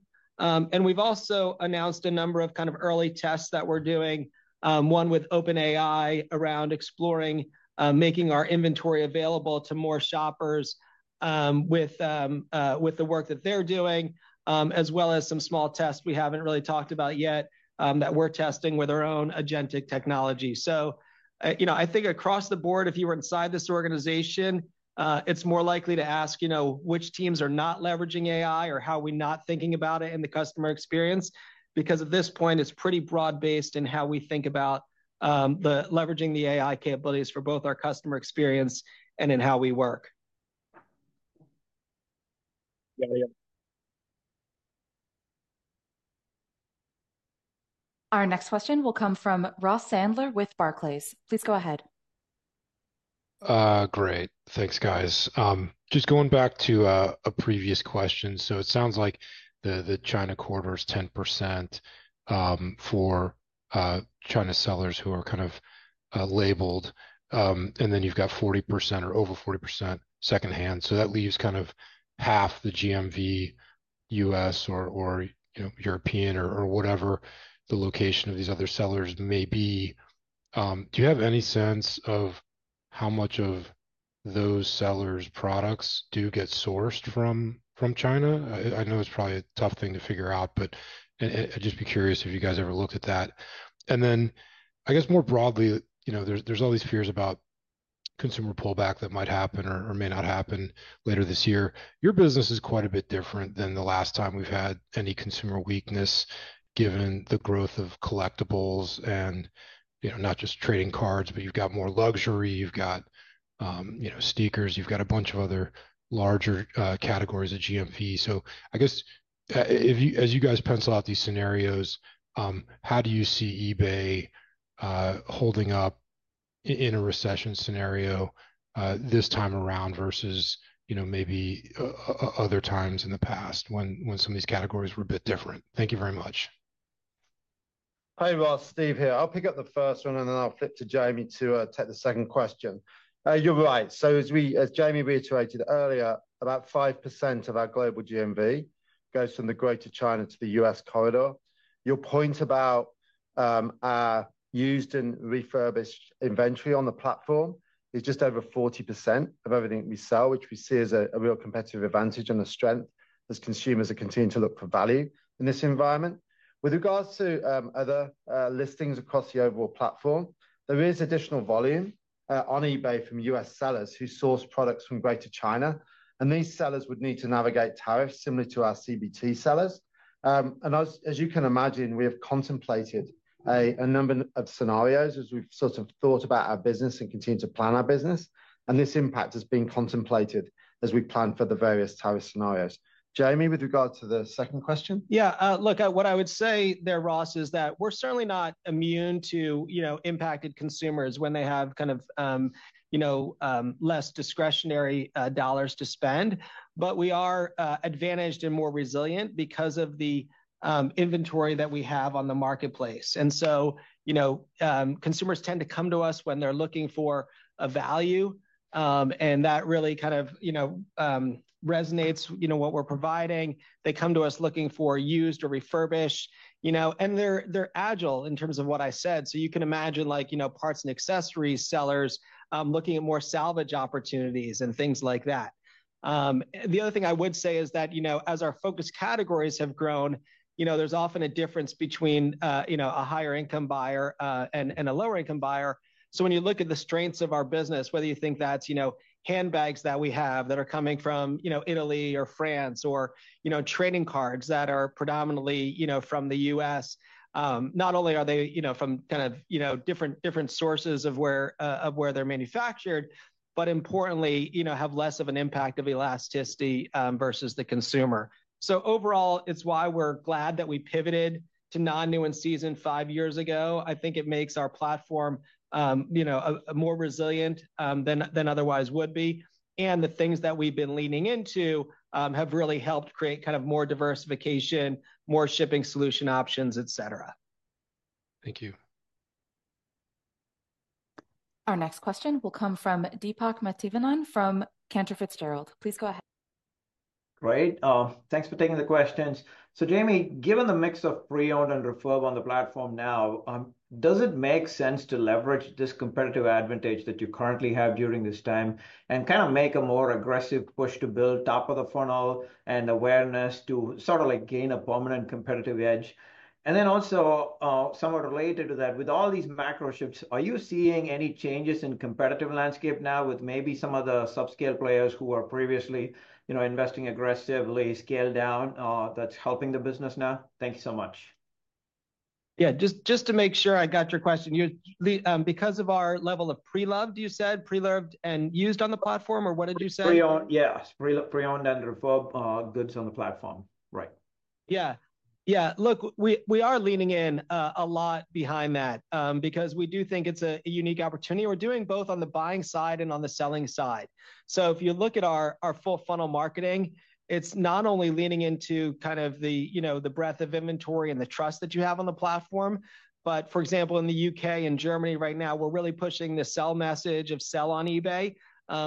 [SPEAKER 3] We've also announced a number of kind of early tests that we're doing, one with OpenAI around exploring making our inventory available to more shoppers with the work that they're doing, as well as some small tests we haven't really talked about yet that we're testing with our own agentic technology. I think across the board, if you were inside this organization, it's more likely to ask which teams are not leveraging AI or how we're not thinking about it in the customer experience because at this point, it's pretty broad-based in how we think about leveraging the AI capabilities for both our customer experience and in how we work.
[SPEAKER 8] Yeah, yeah.
[SPEAKER 1] Our next question will come from Ross Sandler with Barclays. Please go ahead.
[SPEAKER 9] Great. Thanks, guys. Just going back to a previous question. It sounds like the China quarter is 10% for China sellers who are kind of labeled, and then you've got 40% or over 40% secondhand. That leaves kind of half the GMV U.S. or European or whatever the location of these other sellers may be. Do you have any sense of how much of those sellers' products do get sourced from China? I know it's probably a tough thing to figure out, but I'd just be curious if you guys ever looked at that. I guess more broadly, there's all these fears about consumer pullback that might happen or may not happen later this year. Your business is quite a bit different than the last time we've had any consumer weakness given the growth of collectibles and not just trading cards, but you've got more luxury, you've got sneakers, you've got a bunch of other larger categories of GMV. I guess as you guys pencil out these scenarios, how do you see eBay holding up in a recession scenario this time around versus maybe other times in the past when some of these categories were a bit different? Thank you very much.
[SPEAKER 4] Hey, Ross, Steve here. I'll pick up the first one, and then I'll flip to Jamie to take the second question. You're right. As Jamie reiterated earlier, about 5% of our global GMV goes from the greater China to the U.S. corridor. Your point about our used and refurbished inventory on the platform is just over 40% of everything we sell, which we see as a real competitive advantage and a strength as consumers are continuing to look for value in this environment. With regards to other listings across the overall platform, there is additional volume on eBay from U.S. sellers who source products from greater China. These sellers would need to navigate tariffs similar to our CBT sellers. As you can imagine, we have contemplated a number of scenarios as we've sort of thought about our business and continued to plan our business. This impact has been contemplated as we plan for the various tariff scenarios. Jamie, with regards to the second question.
[SPEAKER 3] Yeah, look, what I would say there, Ross, is that we're certainly not immune to impacted consumers when they have kind of less discretionary dollars to spend, but we are advantaged and more resilient because of the inventory that we have on the marketplace. Consumers tend to come to us when they're looking for a value, and that really kind of resonates with what we're providing. They come to us looking for used or refurbished, and they're agile in terms of what I said. You can imagine parts and accessories sellers looking at more salvage opportunities and things like that. The other thing I would say is that as our focus categories have grown, there's often a difference between a higher-income buyer and a lower-income buyer. When you look at the strengths of our business, whether you think that's handbags that we have that are coming from Italy or France or trading cards that are predominantly from the U.S., not only are they from kind of different sources of where they're manufactured, but importantly, have less of an impact of elasticity versus the consumer. Overall, it's why we're glad that we pivoted to non-new in season five years ago. I think it makes our platform more resilient than otherwise would be. The things that we've been leaning into have really helped create kind of more diversification, more shipping solution options, etc.
[SPEAKER 9] Thank you.
[SPEAKER 1] Our next question will come from Deepak Mathivanan from Cantor Fitzgerald. Please go ahead.
[SPEAKER 10] Great.Thanks for taking the questions. Jamie, given the mix of pre-owned and refurb on the platform now, does it make sense to leverage this competitive advantage that you currently have during this time and kind of make a more aggressive push to build top of the funnel and awareness to sort of gain a permanent competitive edge? Also, somewhat related to that, with all these macro shifts, are you seeing any changes in competitive landscape now with maybe some of the subscale players who are previously investing aggressively, scale down, that's helping the business now? Thank you so much.
[SPEAKER 3] Yeah, just to make sure I got your question. Because of our level of pre-loved, you said, pre-loved and used on the platform, or what did you say?
[SPEAKER 10] Pre-owned, yes. Pre-owned and refurb goods on the platform. Right.
[SPEAKER 3] Yeah. Yeah. Look, we are leaning in a lot behind that because we do think it's a unique opportunity. We're doing both on the buying side and on the selling side. If you look at our full funnel marketing, it's not only leaning into kind of the breadth of inventory and the trust that you have on the platform, but for example, in the U.K. and Germany right now, we're really pushing the sell message of sell on eBay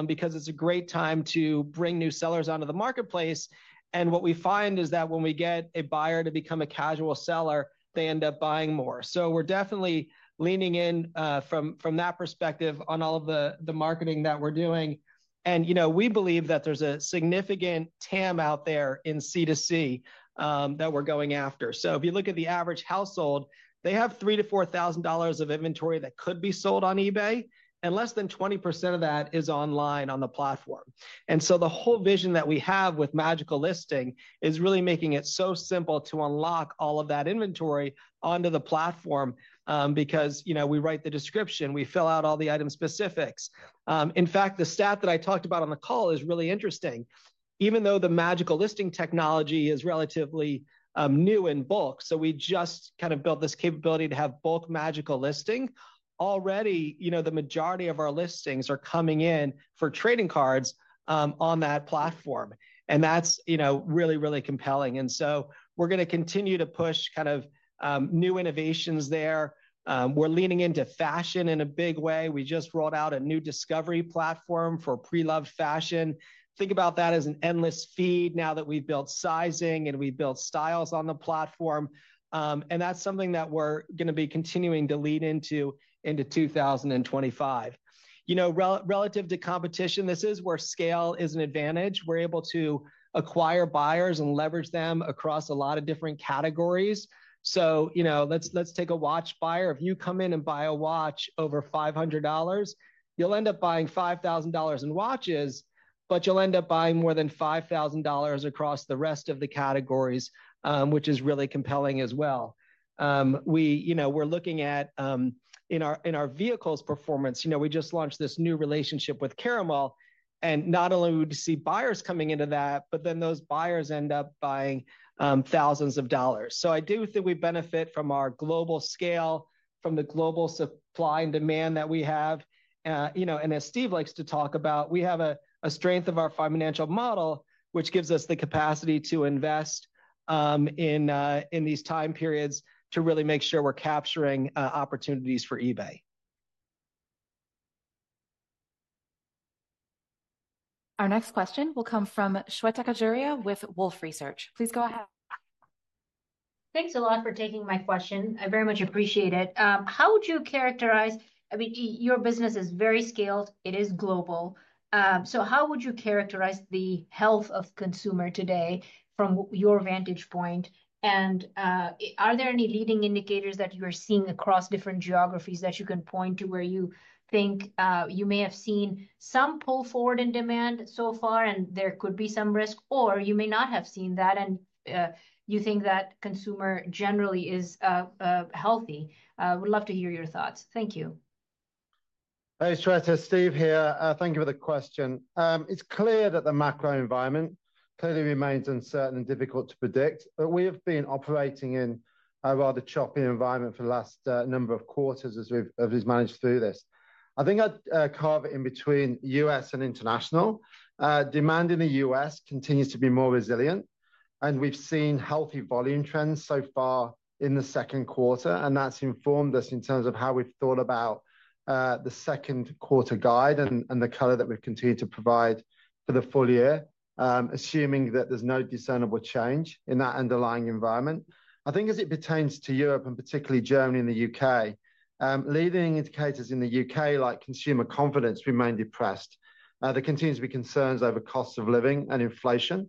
[SPEAKER 3] because it's a great time to bring new sellers onto the marketplace. What we find is that when we get a buyer to become a casual seller, they end up buying more. We're definitely leaning in from that perspective on all of the marketing that we're doing. We believe that there's a significant TAM out there in C2C that we're going after. If you look at the average household, they have $3,000-$4,000 of inventory that could be sold on eBay, and less than 20% of that is online on the platform. The whole vision that we have with Magical Listing is really making it so simple to unlock all of that inventory onto the platform because we write the description, we fill out all the item specifics. In fact, the stat that I talked about on the call is really interesting. Even though the Magical Listing technology is relatively new in bulk, we just kind of built this capability to have bulk Magical Listing, already the majority of our listings are coming in for trading cards on that platform. That is really, really compelling. We are going to continue to push kind of new innovations there. We're leaning into fashion in a big way. We just rolled out a new discovery platform for pre-loved fashion. Think about that as an endless feed now that we've built sizing and we've built styles on the platform. That's something that we're going to be continuing to lean into into 2025. Relative to competition, this is where scale is an advantage. We're able to acquire buyers and leverage them across a lot of different categories. Let's take a watch buyer. If you come in and buy a watch over $500, you'll end up buying $5,000 in watches, but you'll end up buying more than $5,000 across the rest of the categories, which is really compelling as well. We're looking at in our vehicles performance, we just launched this new relationship with Caramel. Not only would you see buyers coming into that, but then those buyers end up buying thousands of dollars. I do think we benefit from our global scale, from the global supply and demand that we have. As Steve likes to talk about, we have a strength of our financial model, which gives us the capacity to invest in these time periods to really make sure we're capturing opportunities for eBay.
[SPEAKER 1] Our next question will come from Shweta Khajuria with Wolfe Research. Please go ahead.
[SPEAKER 11] Thanks a lot for taking my question. I very much appreciate it. How would you characterize your business is very scaled. It is global. How would you characterize the health of consumer today from your vantage point? Are there any leading indicators that you are seeing across different geographies that you can point to where you think you may have seen some pull forward in demand so far, and there could be some risk, or you may not have seen that, and you think that consumer generally is healthy? Would love to hear your thoughts. Thank you.
[SPEAKER 4] Hey, Shweta, Steve here. Thank you for the question. It's clear that the macro environment clearly remains uncertain and difficult to predict, but we have been operating in a rather choppy environment for the last number of quarters as we've managed through this. I think I'd carve it in between U.S. and international. Demand in the U.S. continues to be more resilient, and we've seen healthy volume trends so far in the second quarter, and that's informed us in terms of how we've thought about the second quarter guide and the color that we've continued to provide for the full year, assuming that there's no discernible change in that underlying environment. I think as it pertains to Europe and particularly Germany and the U.K., leading indicators in the U.K. like consumer confidence remain depressed. There continues to be concerns over costs of living and inflation,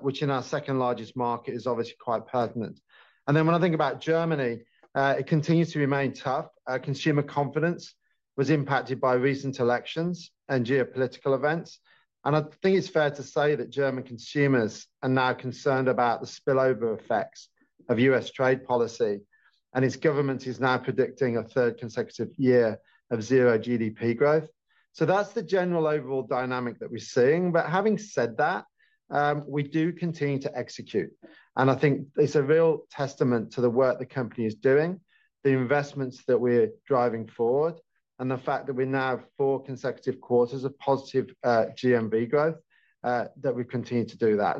[SPEAKER 4] which in our second largest market is obviously quite pertinent. When I think about Germany, it continues to remain tough. Consumer confidence was impacted by recent elections and geopolitical events. I think it's fair to say that German consumers are now concerned about the spillover effects of U.S. trade policy, and its government is now predicting a third consecutive year of zero GDP growth. That's the general overall dynamic that we're seeing. Having said that, we do continue to execute. I think it's a real testament to the work the company is doing, the investments that we're driving forward, and the fact that we now have four consecutive quarters of positive GMV growth that we continue to do that.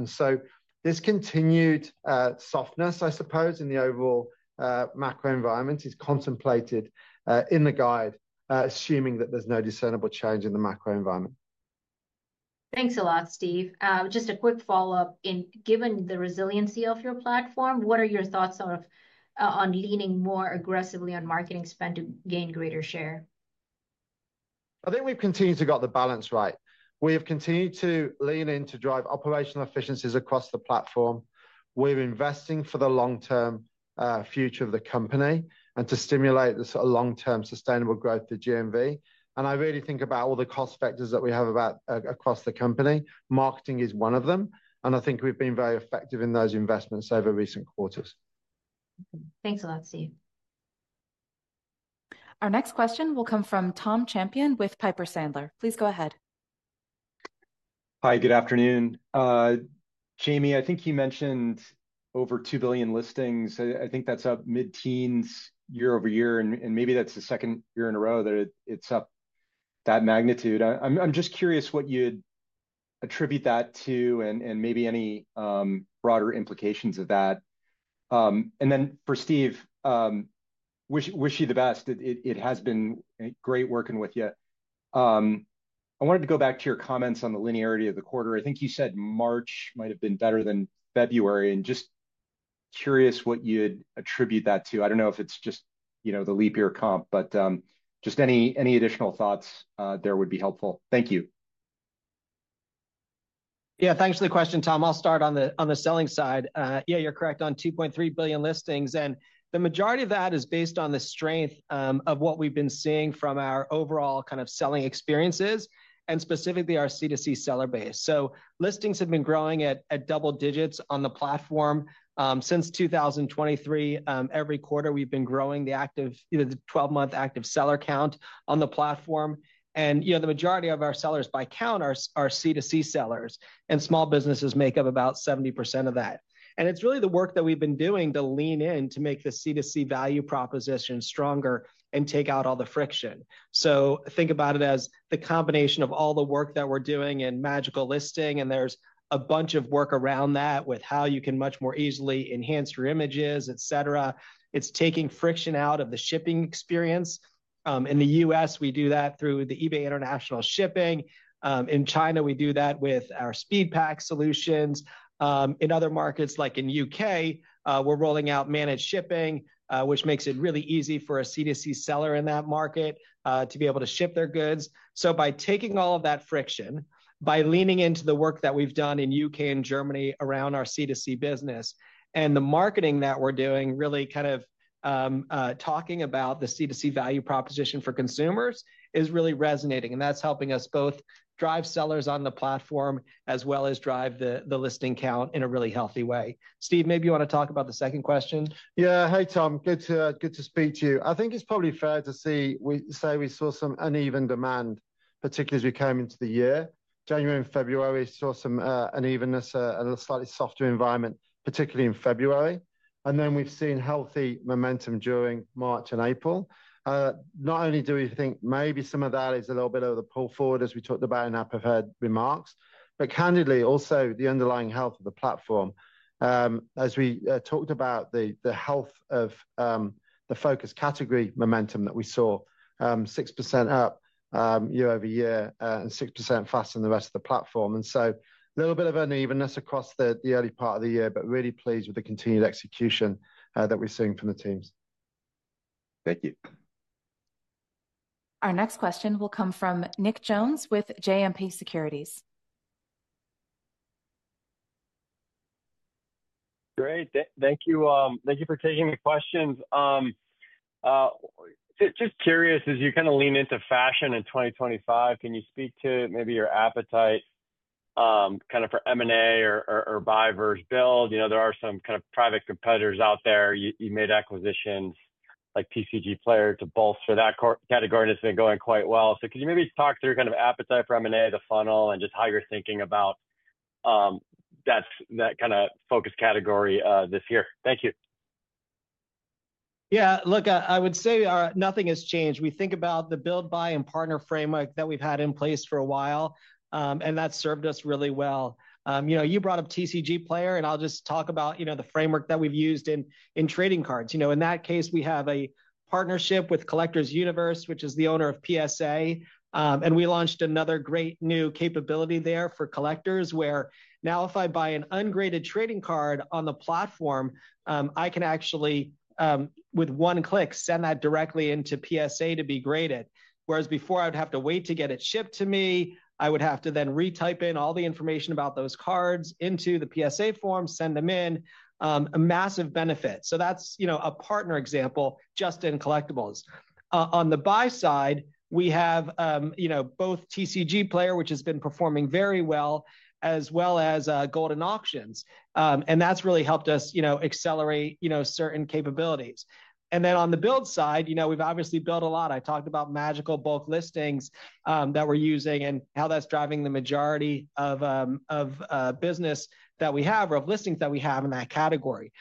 [SPEAKER 4] This continued softness, I suppose, in the overall macro environment is contemplated in the guide, assuming that there's no discernible change in the macro environment.
[SPEAKER 11] Thanks a lot, Steve. Just a quick follow-up. Given the resiliency of your platform, what are your thoughts on leaning more aggressively on marketing spend to gain greater share?
[SPEAKER 4] I think we've continued to get the balance right. We have continued to lean in to drive operational efficiencies across the platform. We're investing for the long-term future of the company and to stimulate the sort of long-term sustainable growth of GMV. I really think about all the cost factors that we have across the company. Marketing is one of them. I think we've been very effective in those investments over recent quarters.
[SPEAKER 11] Thanks a lot, Steve.
[SPEAKER 1] Our next question will come from Tom Champion with Piper Sandler. Please go ahead.
[SPEAKER 12] Hi, good afternoon. Jamie, I think you mentioned over 2 billion listings. I think that's up mid-teens year-over-year, and maybe that's the second year in a row that it's up that magnitude. I'm just curious what you'd attribute that to and maybe any broader implications of that. And then for Steve, wish you the best. It has been great working with you. I wanted to go back to your comments on the linearity of the quarter. I think you said March might have been better than February. Just curious what you'd attribute that to. I don't know if it's just the leap year comp, but any additional thoughts there would be helpful. Thank you.
[SPEAKER 3] Yeah, thanks for the question, Tom. I'll start on the selling side. Yeah, you're correct on 2.3 billion listings. The majority of that is based on the strength of what we've been seeing from our overall kind of selling experiences and specifically our C2C seller base. Listings have been growing at double digits on the platform. Since 2023, every quarter we've been growing the 12-month active seller count on the platform. The majority of our sellers by count are C2C sellers, and small businesses make up about 70% of that. It is really the work that we have been doing to lean in to make the C2C value proposition stronger and take out all the friction. Think about it as the combination of all the work that we are doing in Magical Listing, and there is a bunch of work around that with how you can much more easily enhance your images, etc. It is taking friction out of the shipping experience. In the U.S., we do that through the eBay International Shipping. In China, we do that with our SpeedPak solutions. In other markets, like in the U.K., we are rolling out managed shipping, which makes it really easy for a C2C seller in that market to be able to ship their goods. By taking all of that friction, by leaning into the work that we've done in the U.K. and Germany around our C2C business, and the marketing that we're doing, really kind of talking about the C2C value proposition for consumers is really resonating. That's helping us both drive sellers on the platform as well as drive the listing count in a really healthy way. Steve, maybe you want to talk about the second question.
[SPEAKER 4] Yeah, hey, Tom. Good to speak to you. I think it's probably fair to say we saw some uneven demand, particularly as we came into the year. January and February saw some unevenness, a slightly softer environment, particularly in February. We have seen healthy momentum during March and April. Not only do we think maybe some of that is a little bit of the pull forward, as we talked about in APPEF remarks, but candidly also the underlying health of the platform. As we talked about the health of the focus category momentum that we saw, 6% up year-over-year and 6% faster than the rest of the platform. A little bit of unevenness across the early part of the year, but really pleased with the continued execution that we're seeing from the teams.
[SPEAKER 12] Thank you. Our next question will come from Nick Jones with JMP Securities.
[SPEAKER 13] Great. Thank you for taking the questions. Just curious, as you kind of lean into fashion in 2025, can you speak to maybe your appetite kind of for M&A or buy versus build? There are some kind of private competitors out there. You made acquisitions like TCGplayer to bolster that category, and it's been going quite well. Can you maybe talk through kind of appetite for M&A, the funnel, and just how you're thinking about that kind of focus category this year? Thank you.
[SPEAKER 3] Yeah, look, I would say nothing has changed. We think about the build, buy, and partner framework that we've had in place for a while, and that's served us really well. You brought up TCGplayer, and I'll just talk about the framework that we've used in trading cards. In that case, we have a partnership with Collectors, which is the owner of PSA. We launched another great new capability there for collectors where now if I buy an ungraded trading card on the platform, I can actually, with one click, send that directly into PSA to be graded. Whereas before, I would have to wait to get it shipped to me. I would have to then retype in all the information about those cards into the PSA form, send them in, a massive benefit. That is a partner example just in collectibles. On the buy side, we have both TCGplayer, which has been performing very well, as well as Golden Auctions. That has really helped us accelerate certain capabilities. On the build side, we have obviously built a lot. I talked about Magical Bulk Listing that we are using and how that is driving the majority of business that we have or of listings that we have in that category.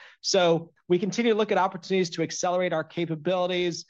[SPEAKER 3] We continue to look at opportunities to accelerate our capabilities.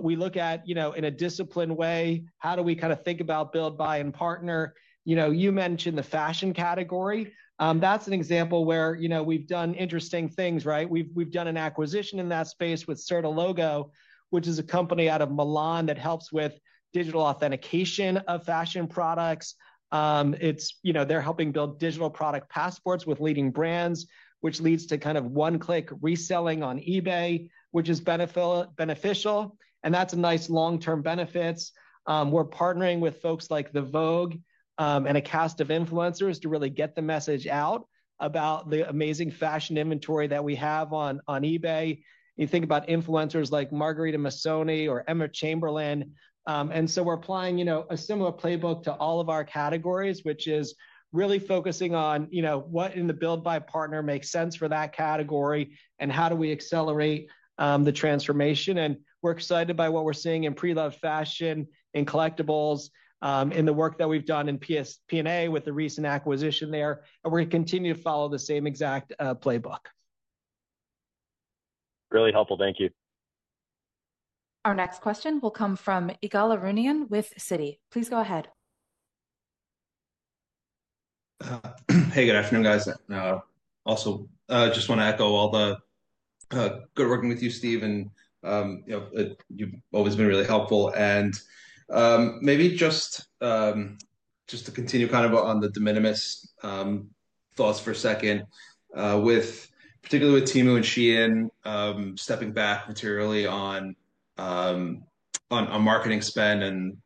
[SPEAKER 3] We look at, in a disciplined way, how we kind of think about build, buy, and partner. You mentioned the fashion category. That's an example where we've done interesting things, right? We've done an acquisition in that space with Certilogo, which is a company out of Milan that helps with digital authentication of fashion products. They're helping build digital product passports with leading brands, which leads to kind of one-click reselling on eBay, which is beneficial. That's a nice long-term benefit. We're partnering with folks like Vogue and a cast of influencers to really get the message out about the amazing fashion inventory that we have on eBay. You think about influencers like Margherita Missoni or Emma Chamberlain. We're applying a similar playbook to all of our categories, which is really focusing on what in the build, buy, partner makes sense for that category and how do we accelerate the transformation. We're excited by what we're seeing in pre-loved fashion, in collectibles, in the work that we've done in P&A with the recent acquisition there. We're going to continue to follow the same exact playbook.
[SPEAKER 13] Really helpful. Thank you.
[SPEAKER 1] Our next question will come from Ygal Arounian with Citi. Please go ahead.
[SPEAKER 14] Hey, good afternoon, guys. Also, I just want to echo all the good working with you, Steve. You've always been really helpful. Maybe just to continue kind of on the de minimis thoughts for a second, particularly with Temu and Shein stepping back materially on marketing spend and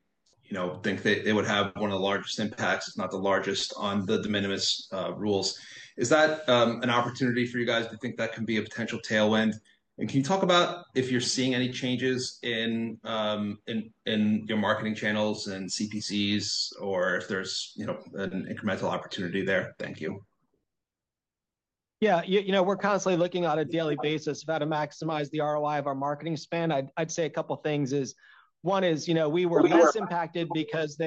[SPEAKER 14] think they would have one of the largest impacts, if not the largest, on the de minimis rules. Is that an opportunity for you guys to think that can be a potential tailwind? Can you talk about if you're seeing any changes in your marketing channels and CPCs or if there's an incremental opportunity there? Thank you.
[SPEAKER 3] Yeah, we're constantly looking on a daily basis about how to maximize the ROI of our marketing spend. I'd say a couple of things is one is we were less impacted because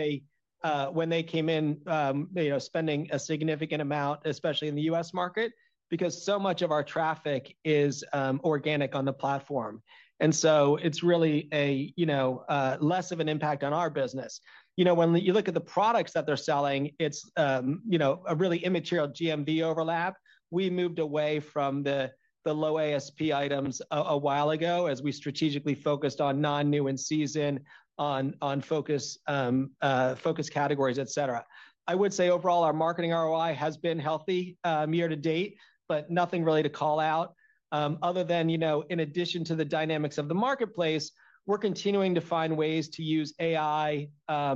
[SPEAKER 3] when they came in spending a significant amount, especially in the U.S. market, because so much of our traffic is organic on the platform. It's really less of an impact on our business. When you look at the products that they're selling, it's a really immaterial GMV overlap. We moved away from the low ASP items a while ago as we strategically focused on non-new in season, on focus categories, etc. I would say overall, our marketing ROI has been healthy year to date, but nothing really to call out other than, in addition to the dynamics of the marketplace, we're continuing to find ways to use AI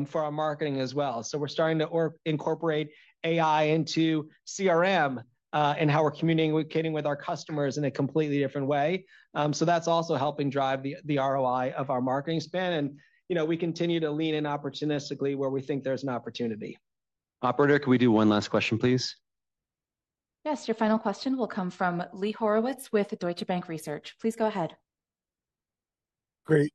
[SPEAKER 3] for our marketing as well. We're starting to incorporate AI into CRM and how we're communicating with our customers in a completely different way. That's also helping drive the ROI of our marketing spend. We continue to lean in opportunistically where we think there's an opportunity. Operator, can we do one last question, please?
[SPEAKER 1] Yes, your final question will come from Lee Horowitz with Deutsche Bank Research. Please go ahead.
[SPEAKER 15] Great.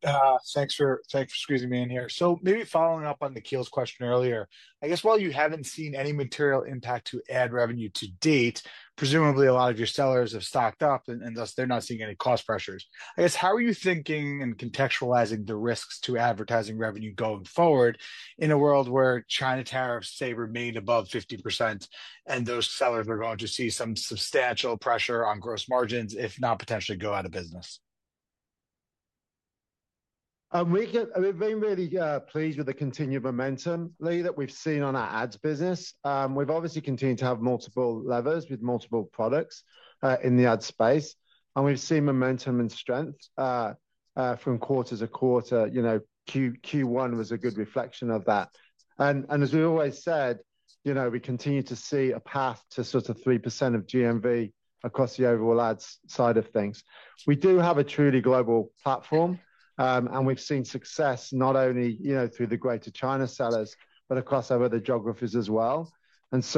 [SPEAKER 15] Thanks for squeezing me in here. Maybe following up on Nikhil's question earlier, I guess while you haven't seen any material impact to ad revenue to date, presumably a lot of your sellers have stocked up, and thus they're not seeing any cost pressures. I guess how are you thinking and contextualizing the risks to advertising revenue going forward in a world where China tariffs say remain above 50% and those sellers are going to see some substantial pressure on gross margins, if not potentially go out of business?
[SPEAKER 4] We've been really pleased with the continued momentum that we've seen on our ads business. We've obviously continued to have multiple levers with multiple products in the ad space. We've seen momentum and strength from quarter to quarter. Q1 was a good reflection of that. As we always said, we continue to see a path to sort of 3% of GMV across the overall ads side of things. We do have a truly global platform, and we've seen success not only through the greater China sellers, but across our other geographies as well. This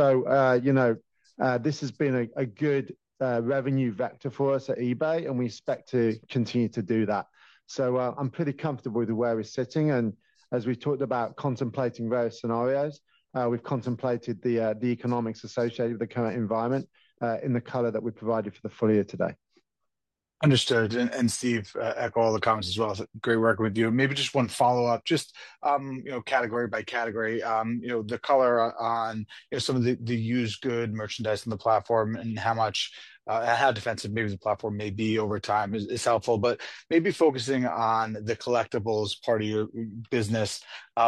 [SPEAKER 4] has been a good revenue vector for us at eBay, and we expect to continue to do that. I'm pretty comfortable with where we're sitting. As we talked about contemplating various scenarios, we've contemplated the economics associated with the current environment in the color that we provided for the full year today.
[SPEAKER 15] Understood. Steve, echo all the comments as well. Great working with you. Maybe just one follow-up, just category by category. The color on some of the used good merchandise on the platform and how defensive maybe the platform may be over time is helpful. Maybe focusing on the collectibles part of your business,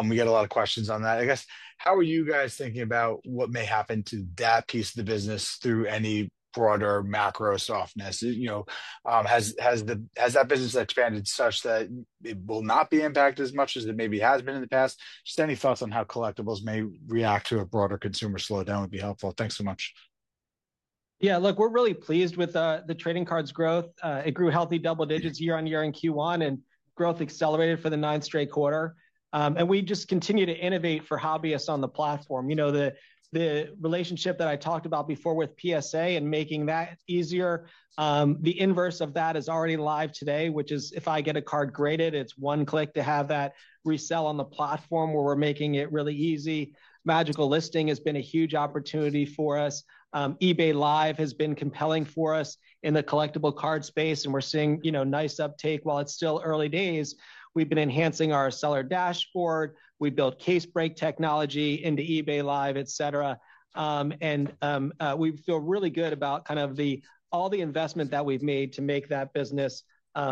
[SPEAKER 15] we get a lot of questions on that. I guess how are you guys thinking about what may happen to that piece of the business through any broader macro softness? Has that business expanded such that it will not be impacted as much as it maybe has been in the past? Just any thoughts on how collectibles may react to a broader consumer slowdown would be helpful. Thanks so much.
[SPEAKER 3] Yeah, look, we're really pleased with the trading cards growth. It grew healthy double digits year on year in Q1, and growth accelerated for the ninth straight quarter. We just continue to innovate for hobbyists on the platform. The relationship that I talked about before with PSA and making that easier, the inverse of that is already live today, which is if I get a card graded, it's one click to have that resell on the platform where we're making it really easy. Magical Listing has been a huge opportunity for us. eBay Live has been compelling for us in the collectible card space, and we're seeing nice uptake. While it's still early days, we've been enhancing our seller dashboard. We built case break technology into eBay Live, etc. We feel really good about kind of all the investment that we've made to make that business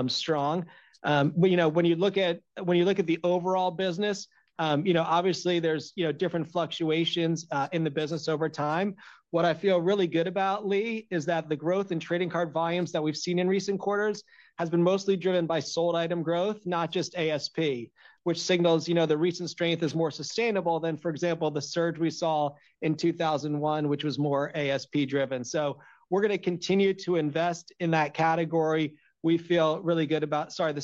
[SPEAKER 3] strong. When you look at the overall business, obviously, there's different fluctuations in the business over time. What I feel really good about, Lee, is that the growth in trading card volumes that we've seen in recent quarters has been mostly driven by sold item growth, not just ASP, which signals the recent strength is more sustainable than, for example, the surge we saw in 2021, which was more ASP-driven. We are going to continue to invest in that category. We feel really good about the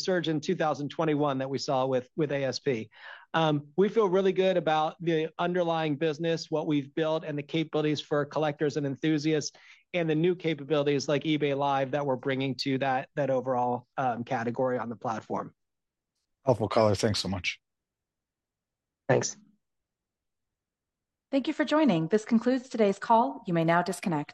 [SPEAKER 3] underlying business, what we've built, and the capabilities for collectors and enthusiasts and the new capabilities like eBay Live that we're bringing to that overall category on the platform.
[SPEAKER 15] Helpful color. Thanks so much.
[SPEAKER 3] Thanks.
[SPEAKER 1] Thank you for joining. This concludes today's call. You may now disconnect.